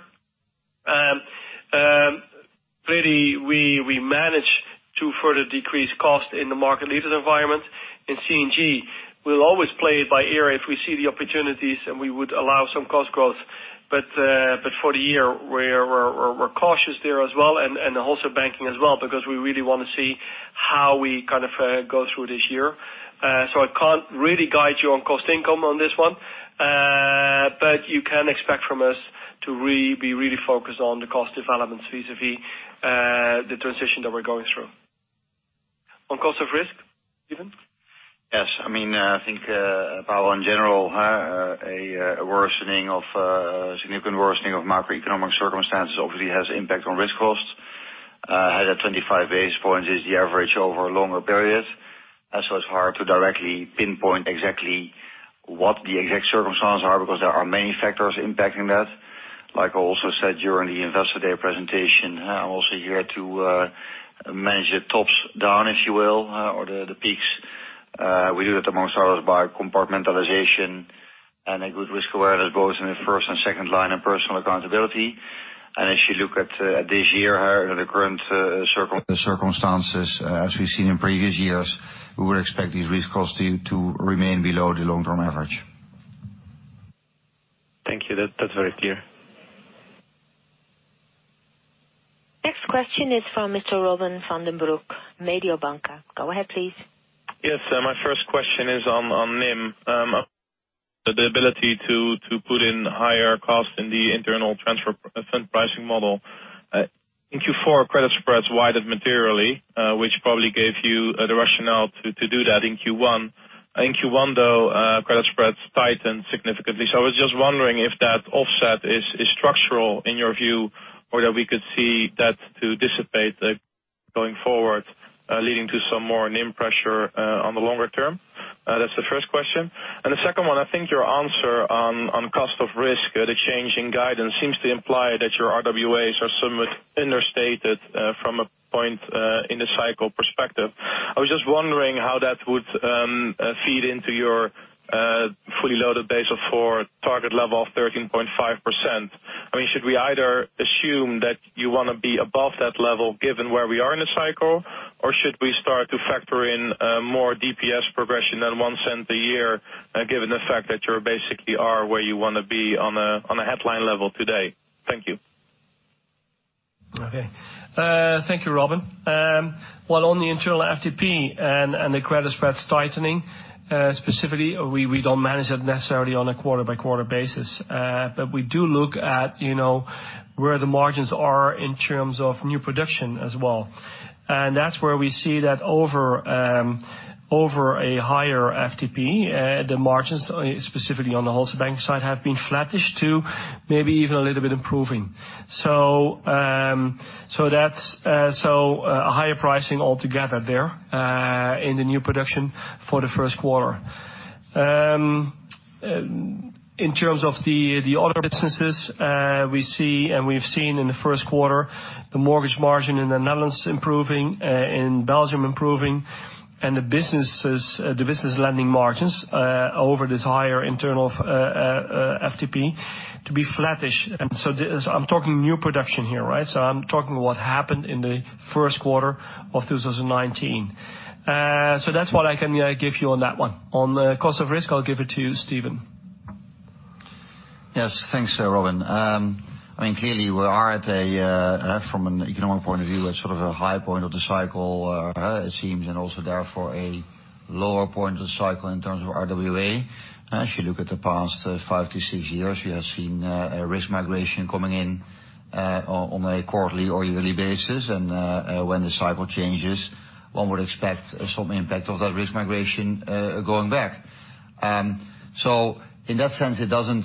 really, we managed to further decrease cost in the Market Leader environment. In C&G, we'll always play it by ear if we see the opportunities, and we would allow some cost growth. For the year, we're cautious there as well and the wholesale banking as well, because we really want to see how we go through this year. I can't really guide you on cost income on this one. You can expect from us to be really focused on the cost developments vis-a-vis the transition that we're going through. On cost of risk, Steven? Yes. I think, Pawel, in general, a significant worsening of macroeconomic circumstances obviously has impact on risk cost. 25 basis points is the average over a longer period. It's hard to directly pinpoint exactly what the exact circumstances are, because there are many factors impacting that. I also said during the investor day presentation, I'm also here to manage the tops down, if you will, or the peaks. We do that amongst others by compartmentalization and a good risk awareness, both in the first and second line and personal accountability. If you look at this year, the current circumstances as we've seen in previous years, we would expect these risk costs to remain below the long-term average. Thank you. That's very clear. Next question is from Mr. Robin van den Broek, Mediobanca. Go ahead, please. Yes. My first question is on NIM. The ability to put in higher costs in the internal fund pricing model. In Q4, credit spreads widened materially, which probably gave you the rationale to do that in Q1. In Q1, though, credit spreads tightened significantly. I was just wondering if that offset is structural in your view, or that we could see that to dissipate going forward, leading to some more NIM pressure on the longer term. That's the first question. The second one, I think your answer on cost of risk, the change in guidance seems to imply that your RWAs are somewhat under-stated from a point in the cycle perspective. I was just wondering how that would feed into your fully loaded Basel IV target level of 13.5%. Should we either assume that you want to be above that level given where we are in the cycle? Should we start to factor in more DPS progression than 0.01 a year, given the fact that you basically are where you want to be on a headline level today? Thank you. Okay. Thank you, Robin. On the internal FTP and the credit spreads tightening, specifically, we don't manage it necessarily on a quarter-by-quarter basis. We do look at where the margins are in terms of new production as well. That's where we see that over a higher FTP, the margins, specifically on the wholesale banking side, have been flattish to maybe even a little bit improving. A higher pricing altogether there, in the new production for the first quarter. In terms of the other businesses, we see and we've seen in the first quarter, the mortgage margin in the Netherlands improving, in Belgium improving, and the business lending margins over this higher internal FTP to be flattish. I'm talking new production here. I'm talking what happened in the first quarter of 2019. That's what I can give you on that one. On the cost of risk, I'll give it to you, Steven. Yes. Thanks, Robin. Clearly, we are at a, from an economic point of view, at sort of a high point of the cycle, it seems, and also therefore a lower point of the cycle in terms of RWA. If you look at the past five to six years, we have seen a risk migration coming in on a quarterly or yearly basis. When the cycle changes, one would expect some impact of that risk migration going back. In that sense, it doesn't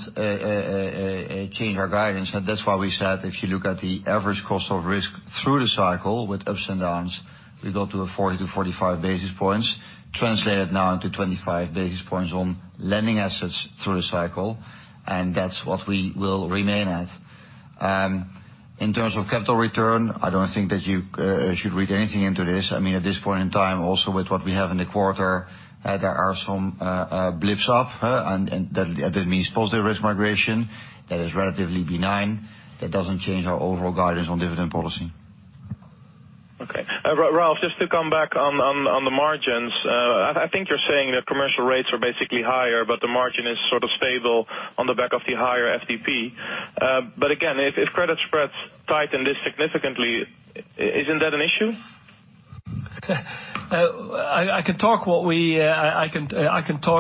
change our guidance. That's why we said if you look at the average cost of risk through the cycle with ups and downs, we go to a 40 - 45 basis points, translated now into 25 basis points on lending assets through the cycle, and that's what we will remain at. In terms of capital return, I don't think that you should read anything into this. At this point in time, also with what we have in the quarter, there are some blips up. That means positive risk migration that is relatively benign, that doesn't change our overall guidance on dividend policy. Okay. Ralph, just to come back on the margins. I think you're saying that commercial rates are basically higher, the margin is sort of stable on the back of the higher FTP. Again, if credit spreads tighten this significantly, isn't that an issue? I can talk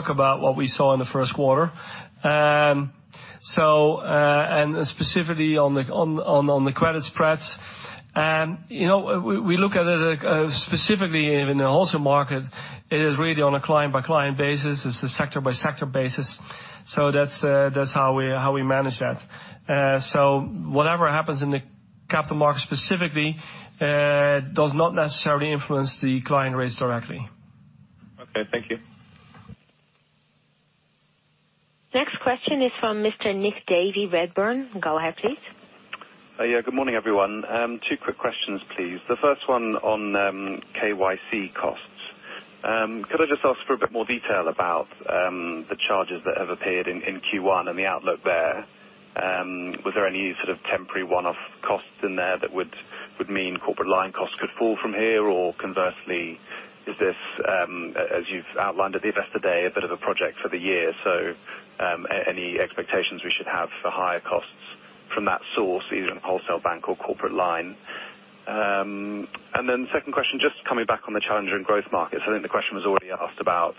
about what we saw in the first quarter. Specifically on the credit spreads. We look at it specifically in the wholesale market, it is really on a client-by-client basis. It's a sector-by-sector basis. That's how we manage that. Whatever happens in the capital market specifically, does not necessarily influence the client rates directly. Okay, thank you. Next question is from Mr. Nick Davey, Redburn. Go ahead, please. Yeah, good morning, everyone. Two quick questions, please. The first one on KYC costs. Could I just ask for a bit more detail about the charges that have appeared in Q1 and the outlook there? Was there any sort of temporary one-off costs in there that would mean corporate line costs could fall from here? Conversely, is this, as you've outlined at the investor day, a bit of a project for the year? Any expectations we should have for higher costs from that source, either in wholesale bank or corporate line? Second question, just coming back on the challenger in growth markets. I think the question was already asked about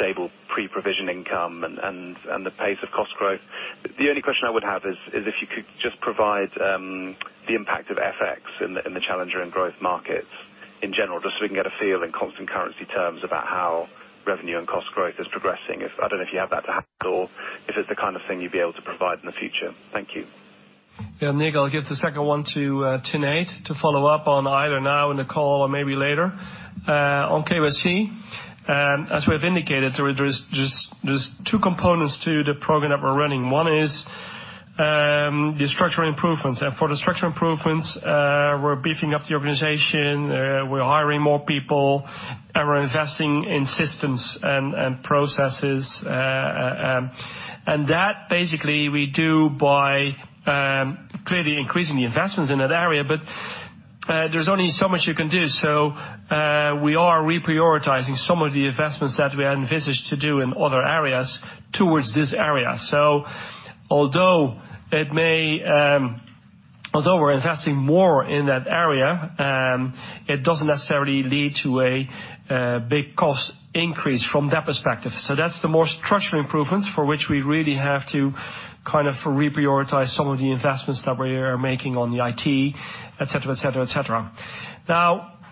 stable pre-provision income and the pace of cost growth. The only question I would have is if you could just provide the impact of FX in the challenger and growth markets in general, just so we can get a feel in constant currency terms about how revenue and cost growth is progressing. I don't know if you have that at hand or if it's the kind of thing you'd be able to provide in the future. Thank you. Yeah, Nick, I'll give the second one to Tanate to follow up on either now in the call or maybe later. On KYC, as we've indicated, there's two components to the program that we're running. One is the structural improvements. For the structural improvements, we're beefing up the organization, we're hiring more people, and we're investing in systems and processes. That basically we do by clearly increasing the investments in that area. There's only so much you can do. We are reprioritizing some of the investments that we had envisaged to do in other areas towards this area. Although we're investing more in that area, it doesn't necessarily lead to a big cost increase from that perspective. That's the more structural improvements for which we really have to reprioritize some of the investments that we are making on the IT, et cetera.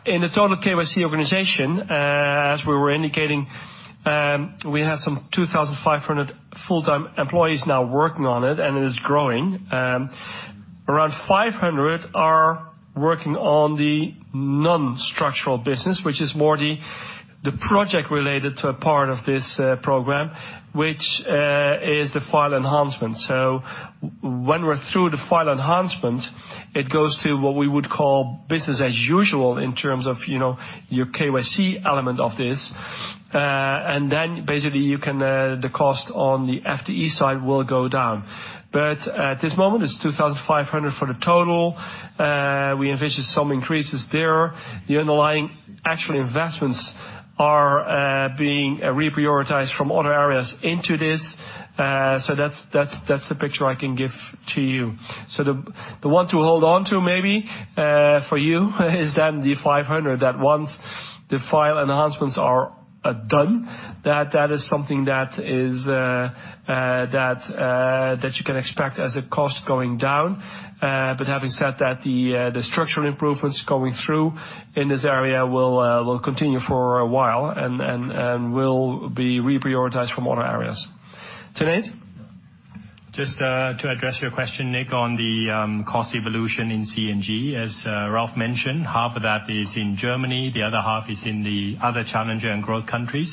In the total KYC organization, as we were indicating, we have some 2,500 full-time employees now working on it, and it is growing. Around 500 are working on the non-structural business, which is more the project-related part of this program, which is the file enhancement. When we are through the file enhancement, it goes to what we would call business as usual in terms of your KYC element of this. Then basically, the cost on the FTE side will go down. At this moment, it is 2,500 for the total. We envision some increases there. The underlying actual investments are being reprioritized from other areas into this. That is the picture I can give to you. The one to hold on to maybe for you is then the 500, that once the file enhancements are done, that is something that you can expect as a cost going down. Having said that, the structural improvements going through in this area will continue for a while and will be reprioritized from other areas. Tanate? Just to address your question, Nick, on the cost evolution in C&G, as Ralph mentioned, 1/2 of that is in Germany, the other half is in the other challenger and growth countries.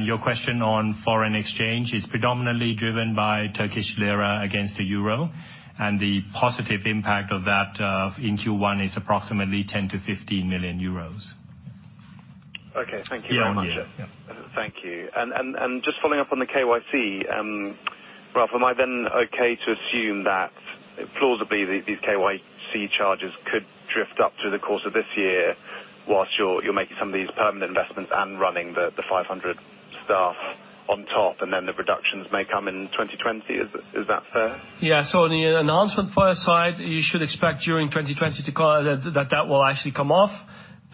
Your question on foreign exchange is predominantly driven by Turkish lira against the euro, the positive impact of that in Q1 is approximately 10 million-15 million euros. Thank you very much. Yeah. Thank you. Just following up on the KYC. Ralph, am I then okay to assume that plausibly these KYC charges could drift up through the course of this year whilst you're making some of these permanent investments and running the 500 staff on top, and then the reductions may come in 2020? Is that fair? Yeah. On the enhancement file side, you should expect during 2020 that that will actually come off.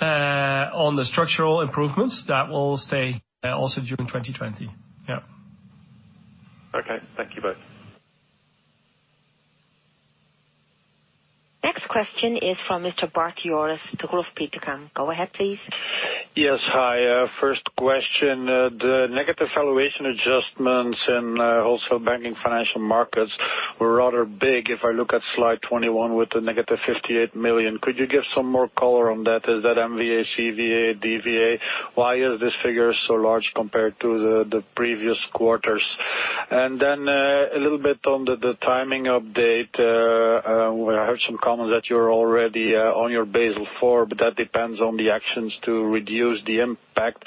On the structural improvements, that will stay also during 2020. Yeah. Okay. Thank you both. Next question is from Mr. Bart Jooris, Degroof Petercam. Go ahead, please. Yes. Hi. First question, the negative valuation adjustments in wholesale banking financial markets were rather big, if I look at slide 21 with the negative 58 million. Could you give some more color on that? Is that MVA, CVA, DVA? Why is this figure so large compared to the previous quarters? A little bit on the timing update. I heard some comments that you're already on your Basel IV. That depends on the actions to reduce the impact.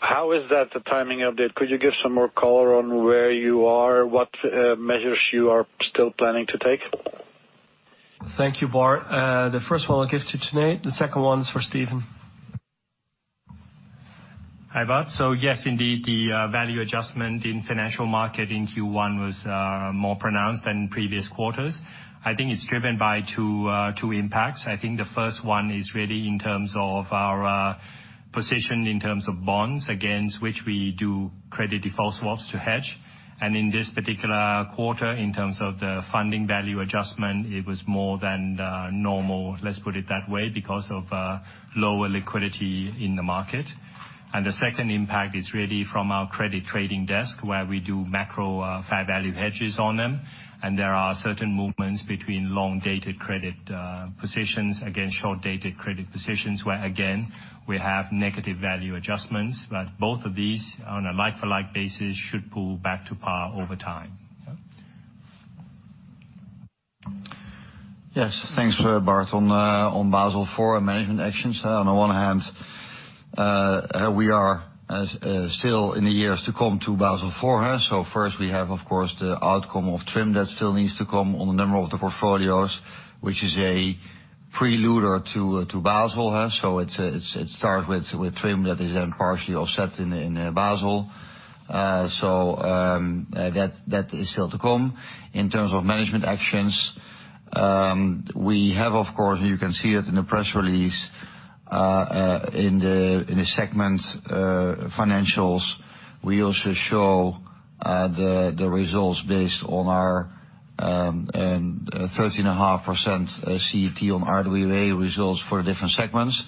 How is that, the timing update? Could you give some more color on where you are, what measures you are still planning to take? Thank you, Bart. The first one I'll give to Tanate. The second one is for Steven. Hi, Bart. Yes, indeed, the value adjustment in financial market in Q1 was more pronounced than previous quarters. I think it's driven by two impacts. I think the first one is really in terms of our position in terms of bonds against which we do credit default swaps to hedge. In this particular quarter, in terms of the funding value adjustment, it was more than normal, let's put it that way, because of lower liquidity in the market. The second impact is really from our credit trading desk, where we do macro fair value hedges on them. There are certain movements between long-dated credit positions against short-dated credit positions, where again, we have negative value adjustments. Both of these, on a like-for-like basis, should pull back to par over time. Yes. Thanks, Bart. On Basel IV management actions, on one hand, we are still in the years to come to Basel IV. First, we have, of course, the outcome of TRIM that still needs to come on a number of the portfolios, which is a preluder to Basel. It start with TRIM that is then partially offset in Basel. That is still to come. In terms of management actions, we have, of course, you can see it in the press release, in the segment financials, we also show the results based on our 13.5% CET1 RWA results for different segments.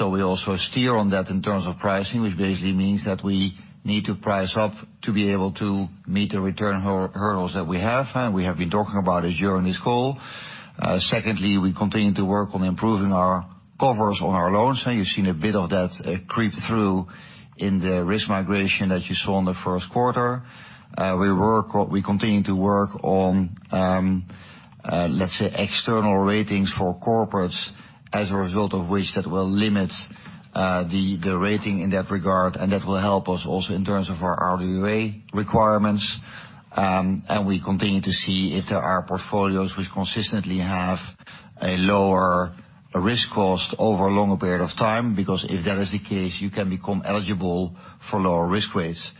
We also steer on that in terms of pricing, which basically means that we need to price up to be able to meet the return hurdles that we have. We have been talking about it during this call. Secondly, we continue to work on improving our covers on our loans. You've seen a bit of that creep through in the risk migration that you saw in the first quarter. We continue to work on, let's say, external ratings for corporates as a result of which that will limit the rating in that regard, and that will help us also in terms of our RWA requirements. We continue to see if there are portfolios which consistently have a lower risk cost over a longer period of time, because if that is the case, you can become eligible for lower risk weights.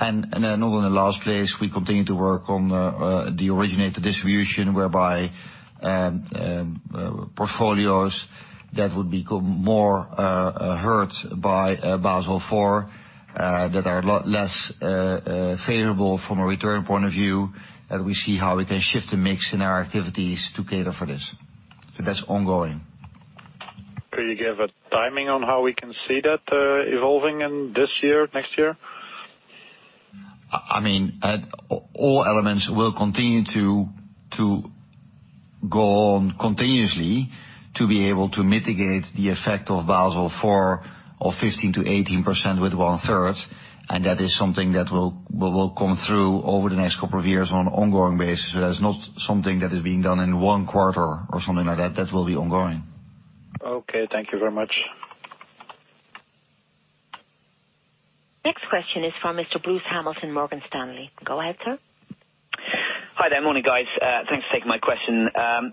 Then also in the last place, we continue to work on the originated distribution, whereby portfolios that would become more hurt by Basel IV, that are less favorable from a return point of view, that we see how we can shift the mix in our activities to cater for this. That's ongoing. Could you give a timing on how we can see that evolving in this year, next year? All elements will continue to go on continuously to be able to mitigate the effect of Basel IV of 15%-18% with 1/3, that is something that will come through over the next couple of years on an ongoing basis. That's not something that is being done in one quarter or something like that. That will be ongoing. Okay. Thank you very much. Next question is from Mr. Bruce Hamilton, Morgan Stanley. Go ahead, sir. Hi there. Morning, guys. Thanks for taking my question.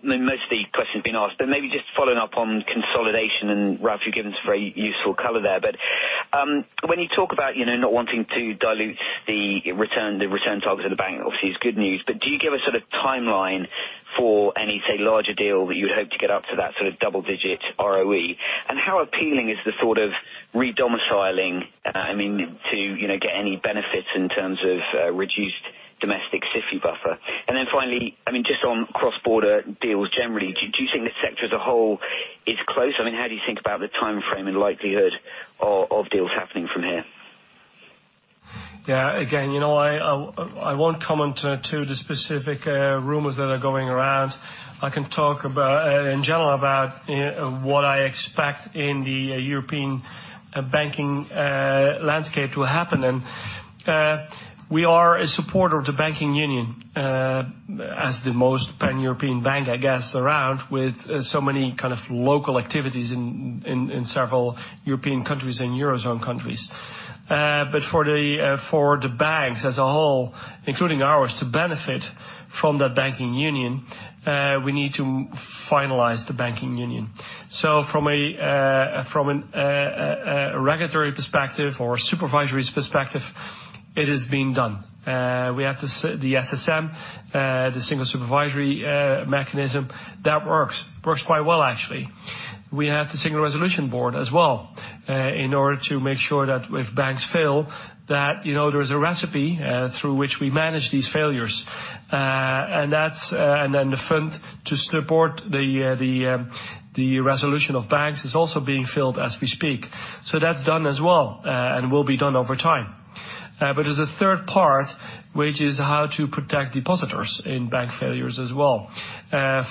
Most of the question's been asked, maybe just following up on consolidation, and Ralph, you've given some very useful color there. When you talk about not wanting to dilute the return targets of the bank, obviously it's good news, but do you give a sort of timeline for any, say, larger deal that you would hope to get up to that sort of double-digit ROE? How appealing is the thought of re-domiciling, to get any benefits in terms of reduced domestic SIFI buffer? Then finally, just on cross-border deals generally, do you think the sector as a whole is close? How do you think about the timeframe and likelihood of deals happening from here? Again, I won't comment to the specific rumors that are going around. I can talk in general about what I expect in the European banking landscape to happen. We are a supporter of the banking union, as the most pan-European bank, I guess, around, with so many local activities in several European countries and Eurozone countries. For the banks as a whole, including ours, to benefit from that banking union, we need to finalize the banking union. From a regulatory perspective or supervisory perspective, it is being done. We have the SSM, the Single Supervisory Mechanism, that works. Works quite well, actually. We have the Single Resolution Board as well, in order to make sure that if banks fail, that there's a recipe through which we manage these failures. Then the fund to support the resolution of banks is also being filled as we speak. That's done as well and will be done over time. There's a third part, which is how to protect depositors in bank failures as well,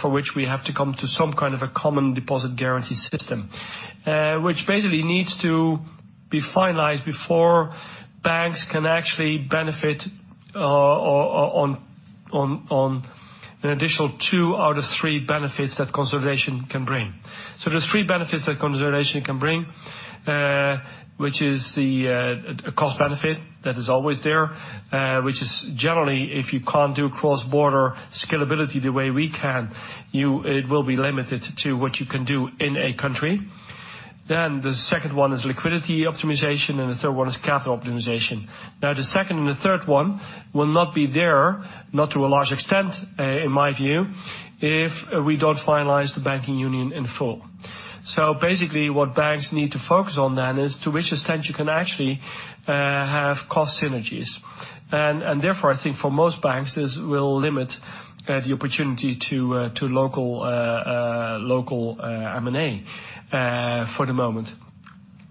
for which we have to come to some kind of a common deposit guarantee system, which basically needs to be finalized before banks can actually benefit on an additional two out of three benefits that consolidation can bring. There's three benefits that consolidation can bring, which is the cost benefit that is always there, which is generally if you can't do cross-border scalability the way we can, it will be limited to what you can do in a country. The second one is liquidity optimization, and the third one is capital optimization. The second and the third one will not be there, not to a large extent, in my view, if we don't finalize the banking union in full. Basically what banks need to focus on then is to which extent you can actually have cost synergies. Therefore, I think for most banks, this will limit the opportunity to local M&A for the moment.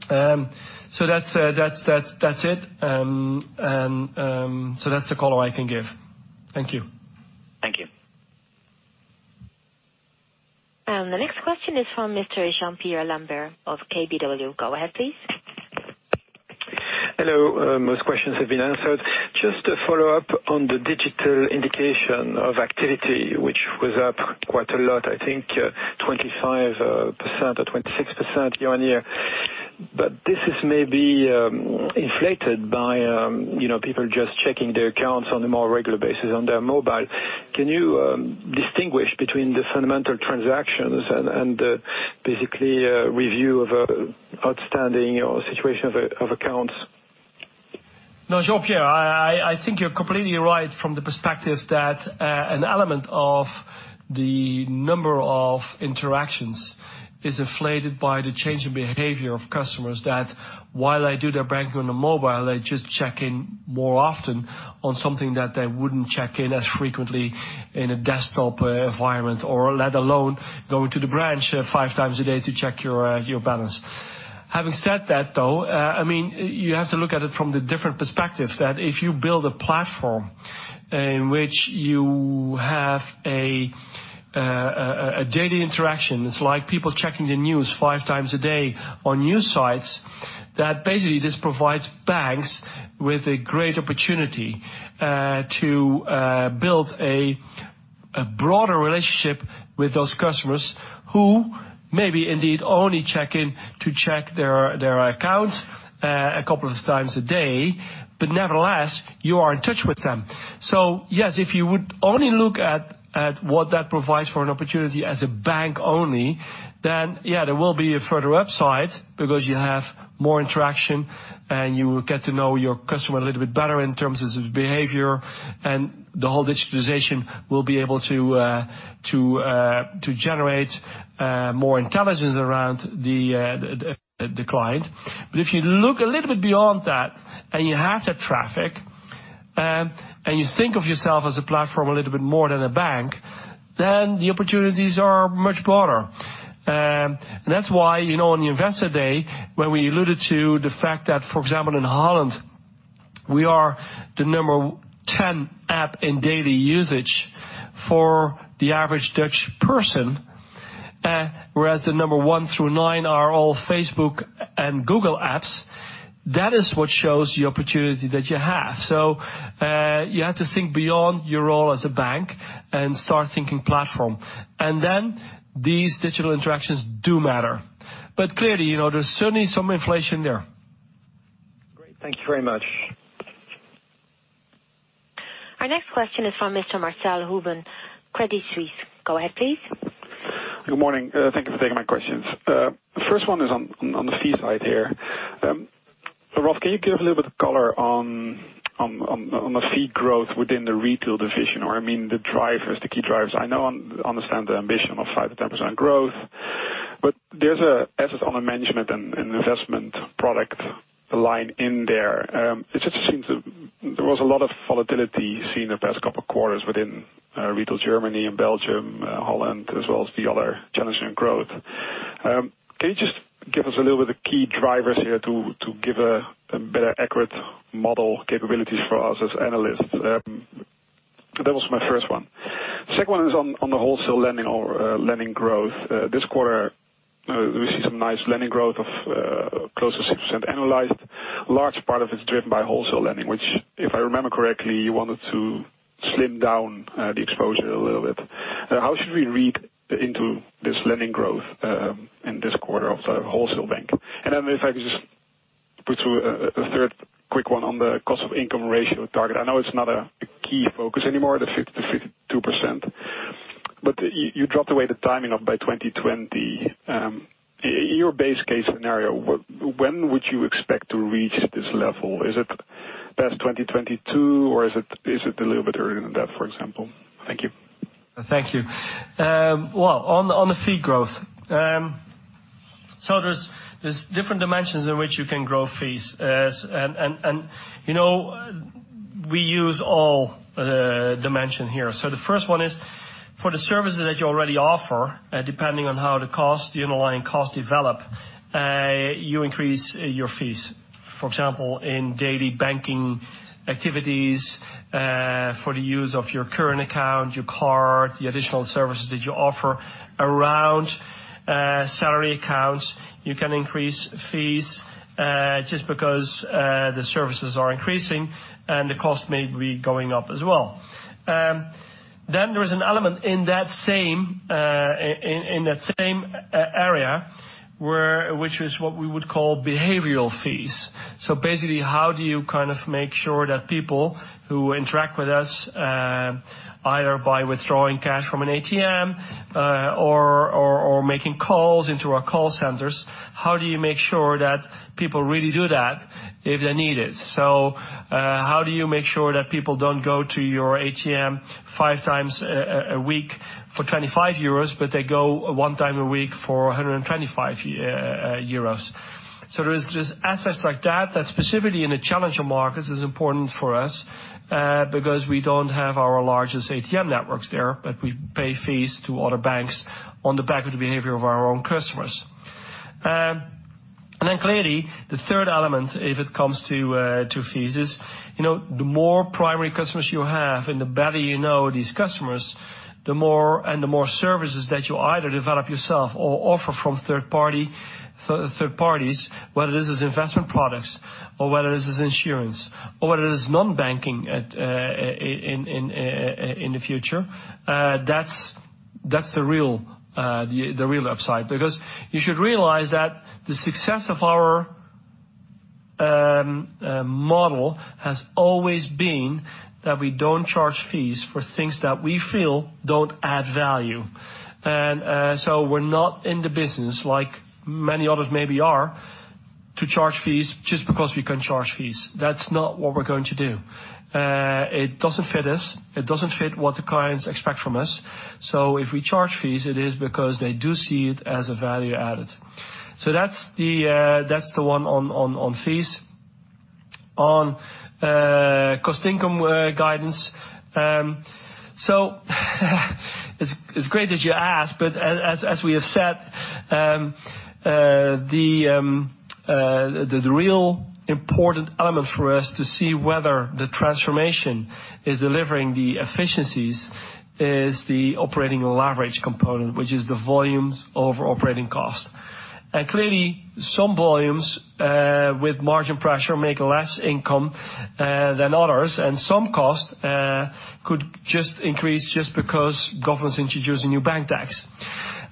That's it. That's the color I can give. Thank you. Thank you. The next question is from Mr. Jean-Pierre Lambert of KBW. Go ahead, please. Hello. Most questions have been answered. Just a follow-up on the digital indication of activity, which was up quite a lot, I think 25% or 26% year-on-year. This is maybe inflated by people just checking their accounts on a more regular basis on their mobile. Can you distinguish between the fundamental transactions and the basically review of outstanding or situation of accounts? No, Jean-Pierre, I think you're completely right from the perspective that an element of the number of interactions is inflated by the change in behavior of customers that while they do their banking on the mobile, they just check in more often on something that they wouldn't check in as frequently in a desktop environment, or let alone going to the branch 5x a day to check your balance. Having said that, though, you have to look at it from the different perspective that if you build a platform in which you have a daily interaction, it's like people checking the news 5x a day on news sites, that basically this provides banks with a great opportunity to build a broader relationship with those customers who maybe indeed only check in to check their account a couple of times a day, but nevertheless, you are in touch with them. Yes, if you would only look at what that provides for an opportunity as a bank only, then yeah, there will be a further upside because you have more interaction and you will get to know your customer a little bit better in terms of his behavior, and the whole digitization will be able to generate more intelligence around the client. If you look a little bit beyond that and you have that traffic, and you think of yourself as a platform a little bit more than a bank, then the opportunities are much broader. That's why, on the Investor Day, when we alluded to the fact that, for example, in Holland, we are the number 10 app in daily usage for the average Dutch person, whereas the number 1 through 9 are all Facebook and Google apps. That is what shows the opportunity that you have. You have to think beyond your role as a bank and start thinking platform. Then these digital interactions do matter. Clearly, there's certainly some inflation there. Great. Thank you very much. Our next question is from Mr. Marcell Houben, Credit Suisse. Go ahead, please. Good morning. Thank you for taking my questions. First one is on the fee side here. Ralph, can you give a little bit of color on the fee growth within the retail division? I mean, the drivers, the key drivers. I know and understand the ambition of 5%-10% growth, but there's an assets under management and investment product line in there. It just seems there was a lot of volatility seen the past couple of quarters within Retail Germany and Belgium, Netherlands, as well as the other Challengers & Growth. Can you just give us a little bit of key drivers here to give a better accurate model capabilities for us as analysts? That was my first one. Second one is on the wholesale lending or lending growth. This quarter, we see some nice lending growth of close to 6% annualized. Large part of it is driven by wholesale lending, which, if I remember correctly, you wanted to slim down the exposure a little bit. How should we read into this lending growth in this quarter of the wholesale bank? Then if I could just put through a third quick one on the cost of income ratio target. I know it's not a key focus anymore, the 50%-52%, but you dropped away the timing of by 2020. In your base case scenario, when would you expect to reach this level? Is it past 2022 or is it a little bit earlier than that, for example? Thank you. Thank you. On the fee growth. There's different dimensions in which you can grow fees. We use all dimension here. The first one is for the services that you already offer, depending on how the cost, the underlying cost develop, you increase your fees. For example, in daily banking activities, for the use of your current account, your card, the additional services that you offer around salary accounts, you can increase fees, just because the services are increasing and the cost may be going up as well. There is an element in that same area, which is what we would call behavioral fees. Basically, how do you make sure that people who interact with us, either by withdrawing cash from an ATM or making calls into our call centers, how do you make sure that people really do that if they need it? How do you make sure that people don't go to your ATM 5x a week for 25 euros, but they go 1x a week for 125 euros? There's aspects like that specifically in the challenger markets, is important for us, because we don't have our largest ATM networks there, but we pay fees to other banks on the back of the behavior of our own customers. Clearly, the third element, if it comes to fees is, the more primary customers you have and the better you know these customers, and the more services that you either develop yourself or offer from third parties, whether this is investment products or whether this is insurance or whether this is non-banking in the future, that's the real upside because you should realize that the success of our model has always been that we don't charge fees for things that we feel don't add value. We're not in the business like many others maybe are, to charge fees just because we can charge fees. That's not what we're going to do. It doesn't fit us. It doesn't fit what the clients expect from us. If we charge fees, it is because they do see it as a value added. That's the one on fees. On cost income guidance. It's great that you asked, but as we have said, the real important element for us to see whether the Transformation is delivering the efficiencies is the operating leverage component, which is the volumes over operating cost. Clearly, some volumes, with margin pressure make less income than others, and some costs could just increase just because government's introducing new bank tax.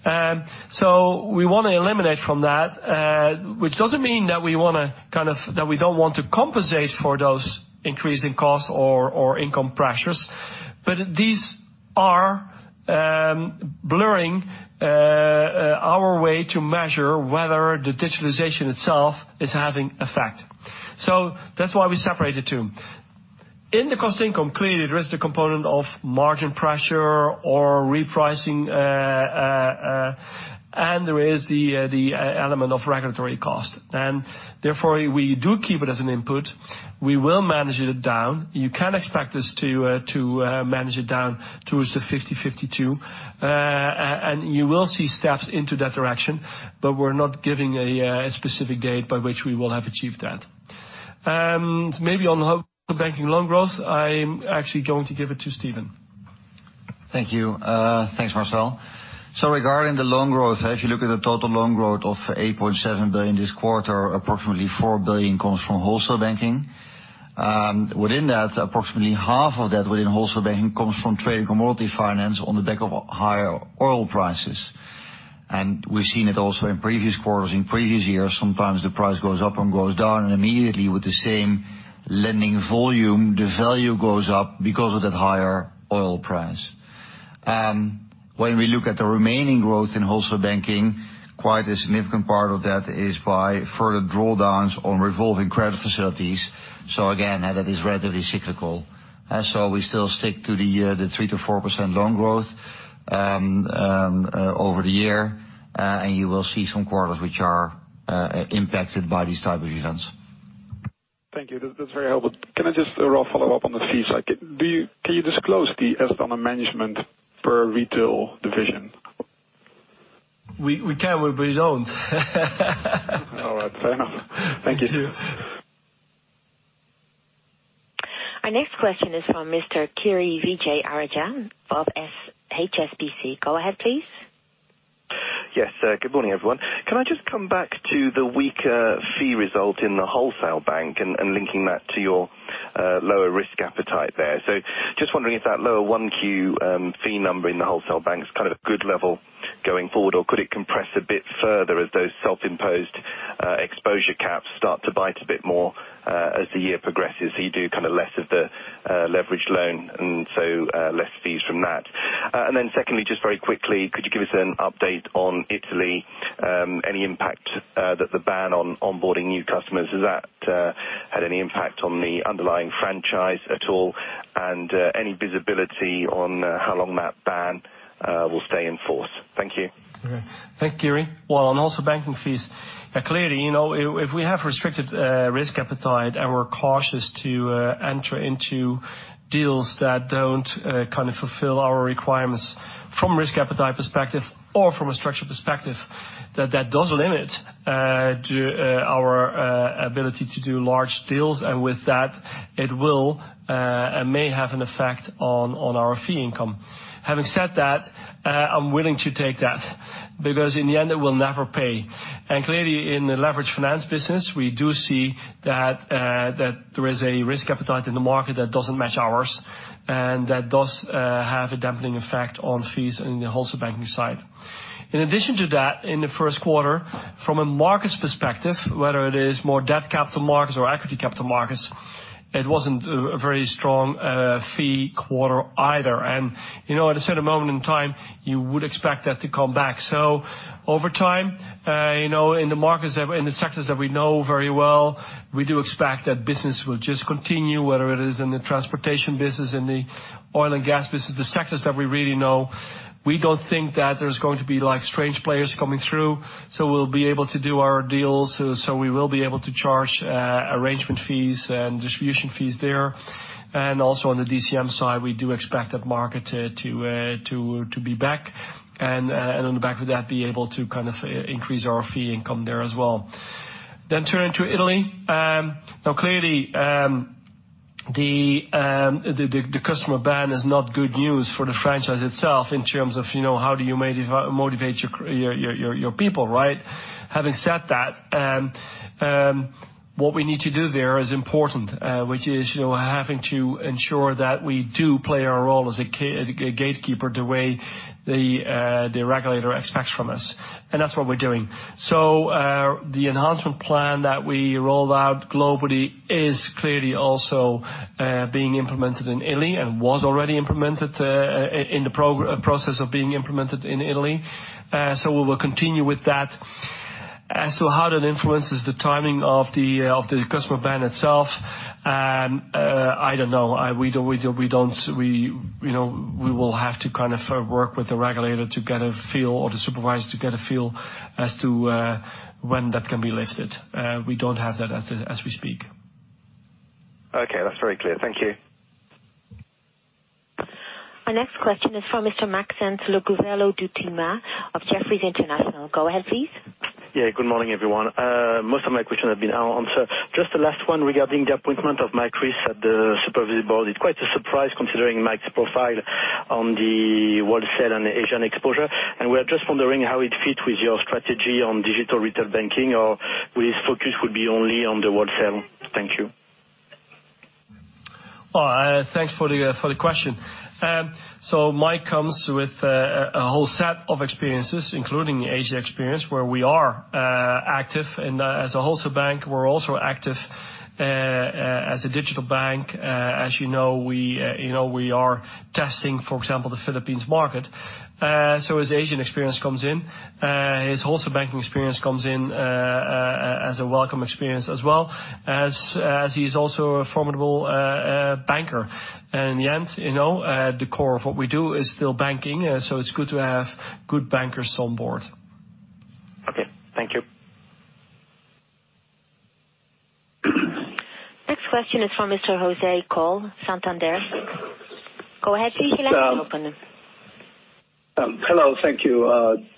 We want to eliminate from that, which doesn't mean that we don't want to compensate for those increase in costs or income pressures, but these are blurring our way to measure whether the digitalization itself is having effect. That's why we separate the two. In the cost income, clearly, there is the component of margin pressure or repricing, and there is the element of regulatory cost. Therefore, we do keep it as an input. We will manage it down. You can expect us to manage it down towards the 50/52. You will see steps into that direction, we're not giving a specific date by which we will have achieved that. Maybe on the banking loan growth, I'm actually going to give it to Steven. Thank you. Thanks, Marcell Houben. Regarding the loan growth, if you look at the total loan growth of 8.7 billion this quarter, approximately 4 billion comes from Wholesale Banking. Within that, approximately half of that within Wholesale Banking comes from trade commodity finance on the back of higher oil prices. We've seen it also in previous quarters, in previous years. Sometimes the price goes up and goes down, immediately with the same lending volume, the value goes up because of that higher oil price. When we look at the remaining growth in Wholesale Banking, quite a significant part of that is by further drawdowns on revolving credit facilities. Again, that is relatively cyclical. We still stick to the 3%-4% loan growth over the year. You will see some quarters which are impacted by these type of events. Thank you. That's very helpful. Can I just follow up on the fee side? Can you disclose the estimate management per retail division? We can, but we don't. All right. Fair enough. Thank you. Cheers. Our next question is from Mr. Kirishanthan Vijayarajah, of HSBC. Go ahead, please. Yes. Good morning, everyone. Can I just come back to the weaker fee result in the Wholesale Bank and linking that to your lower risk appetite there. Just wondering if that lower 1Q fee number in the Wholesale Bank is a good level going forward, or could it compress a bit further as those self-imposed exposure caps start to bite a bit more, as the year progresses, you do less of the leverage loan, and so less fees from that. Then secondly, just very quickly, could you give us an update on Italy? Any impact that the ban on onboarding new customers, has that had any impact on the underlying franchise at all? Any visibility on how long that ban will stay in force? Thank you. Okay. Thank you, Kiri. Well, on Wholesale Banking fees, clearly, if we have restricted risk appetite and we're cautious to enter into deals that don't fulfill our requirements from risk appetite perspective or from a structure perspective, that does limit our ability to do large deals, and with that, it will and may have an effect on our fee income. Having said that, I'm willing to take that because in the end, it will never pay. Clearly in the leverage finance business, we do see that there is a risk appetite in the market that doesn't match ours, and that does have a dampening effect on fees in the Wholesale Banking side. In addition to that, in the 1st quarter, from a markets perspective, whether it is more debt capital markets or equity capital markets, it wasn't a very strong fee quarter either. At a certain moment in time, you would expect that to come back. Over time, in the sectors that we know very well, we do expect that business will just continue, whether it is in the transportation business, in the oil and gas business, the sectors that we really know. We don't think that there's going to be strange players coming through, so we'll be able to do our deals, we will be able to charge arrangement fees and distribution fees there. Also on the DCM side, we do expect that market to be back, and on the back of that, be able to increase our fee income there as well. Turning to Italy. Clearly, the customer ban is not good news for the franchise itself in terms of how do you motivate your people, right? Having said that, what we need to do there is important, which is having to ensure that we do play our role as a gatekeeper the way the regulator expects from us. That's what we're doing. The enhancement plan that we rolled out globally is clearly also being implemented in Italy and was already in the process of being implemented in Italy. We will continue with that. As to how that influences the timing of the customer ban itself, I don't know. We will have to work with the regulator to get a feel, or the supervisors, to get a feel as to when that can be lifted. We don't have that as we speak. Okay, that's very clear. Thank you. Our next question is from Mr. Maxence Le Gouvello du Timat of Jefferies International. Go ahead, please. Yeah. Good morning, everyone. Most of my questions have been answered. Just the last one regarding the appointment of Mike Rees at the supervisory board. It's quite a surprise considering Mike's profile on the wholesale and Asian exposure, we're just wondering how it fit with your strategy on digital retail banking, or will his focus would be only on the wholesale? Thank you. Thanks for the question. Mike comes with a whole set of experiences, including the Asia experience, where we are active. As a wholesale bank, we're also active as a digital bank. As you know, we are testing, for example, the Philippines market. His Asian experience comes in. His wholesale banking experience comes in as a welcome experience as well, as he's also a formidable banker. In the end, the core of what we do is still banking, so it's good to have good bankers on board. Okay. Thank you. Next question is from Mr. José Coll, Santander. Go ahead, please. You can open. Hello. Thank you.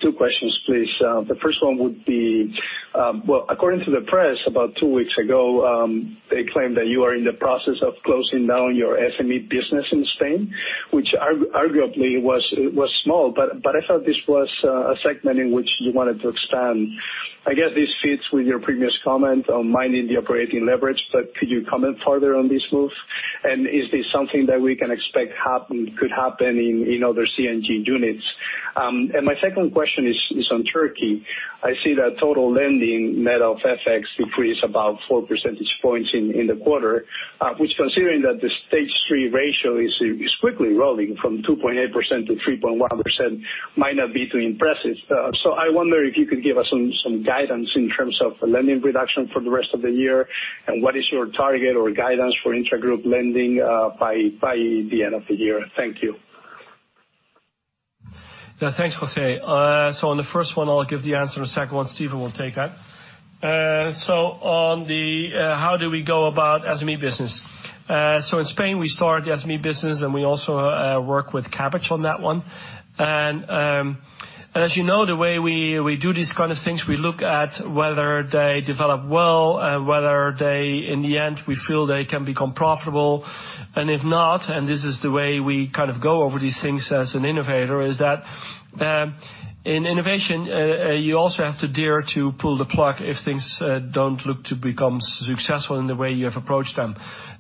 two questions, please. The first one would be According to the press about two weeks ago, they claimed that you are in the process of closing down your SME business in Spain, which arguably was small, but I thought this was a segment in which you wanted to expand. I guess this fits with your previous comment on mining the operating leverage, but could you comment further on this move? Is this something that we can expect could happen in other C&G units? My second question is on Turkey. I see that total lending net of FX decreased about four percentage points in the quarter, which considering that the Stage 3 ratio is quickly rolling from 2.8% - 3.1%, might not be too impressive. I wonder if you could give us some guidance in terms of lending reduction for the rest of the year, and what is your target or guidance for intragroup lending by the end of the year? Thank you. Yeah. Thanks, José. On the first one, I'll give the answer, and the second one, Steven will take that. On the how do we go about SME business. In Spain, we started the SME business, and we also work with Kabbage on that one. As you know, the way we do these kind of things, we look at whether they develop well, whether they, in the end, we feel they can become profitable. If not, and this is the way we go over these things as an innovator, is that in innovation, you also have to dare to pull the plug if things don't look to become successful in the way you have approached them.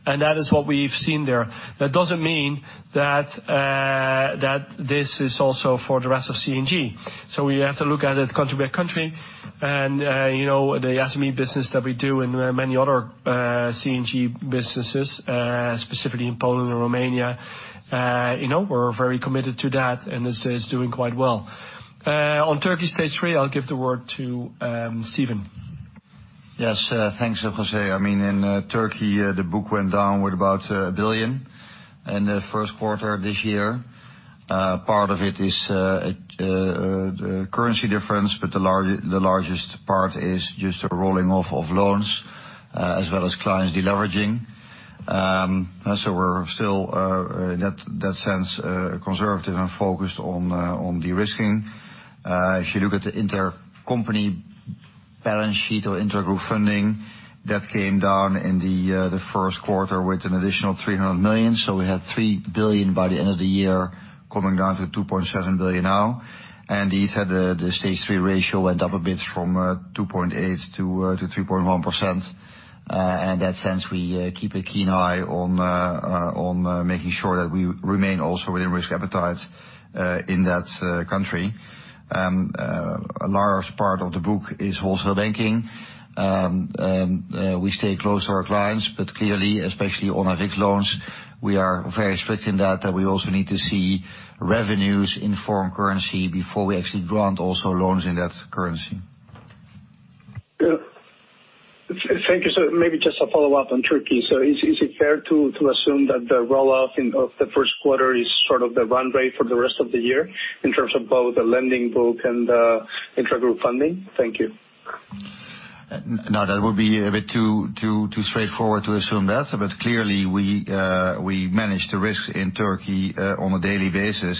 That is what we've seen there. That doesn't mean that this is also for the rest of C&G. We have to look at it country by country. The SME business that we do and many other C&G businesses, specifically in Poland and Romania, we're very committed to that, and this is doing quite well. On Turkey Stage 3, I'll give the word to Steven. Yes, thanks, José. In Turkey, the book went down with about 1 billion in the first quarter of this year. Part of it is the currency difference, but the largest part is just a rolling off of loans as well as clients deleveraging. We're still, in that sense, conservative and focused on de-risking. Balance sheet or intragroup funding that came down in the first quarter with an additional 300 million. We had 3 billion by the end of the year, coming down to 2.7 billion now. You said the Stage 3 ratio went up a bit from 2.8%-3.1%. In that sense, we keep a keen eye on making sure that we remain also within risk appetite in that country. A large part of the book is wholesale banking. We stay close to our clients, but clearly, especially on fixed loans, we are very strict in that we also need to see revenues in foreign currency before we actually grant also loans in that currency. Thank you, sir. Maybe just a follow-up on Turkey. Is it fair to assume that the roll-off of the first quarter is sort of the run rate for the rest of the year in terms of both the lending book and the intragroup funding? Thank you. No, that would be a bit too straightforward to assume that. Clearly we manage the risks in Turkey on a daily basis.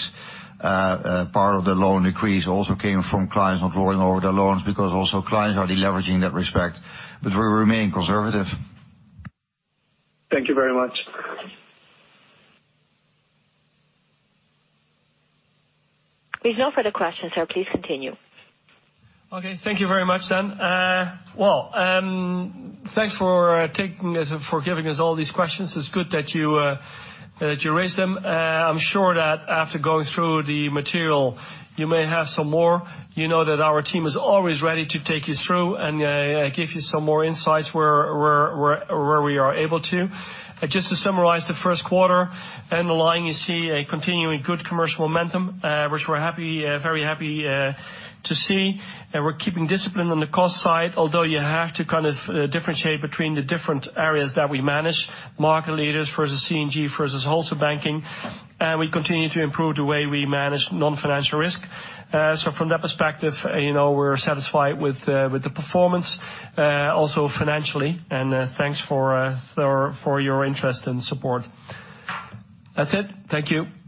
Part of the loan decrease also came from clients not rolling over their loans, because also clients are deleveraging in that respect, but we remain conservative. Thank you very much. We've no further questions, sir, please continue. Okay. Thank you very much. Well, thanks for giving us all these questions. It's good that you raised them. I'm sure that after going through the material, you may have some more. You know that our team is always ready to take you through and give you some more insights where we are able to. Just to summarize the first quarter, underlying you see a continuing good commercial momentum, which we're very happy to see. We're keeping discipline on the cost side, although you have to differentiate between the different areas that we manage. Market leaders versus C&G versus wholesale banking. We continue to improve the way we manage non-financial risk. From that perspective, we're satisfied with the performance, also financially, and thanks for your interest and support. That's it. Thank you.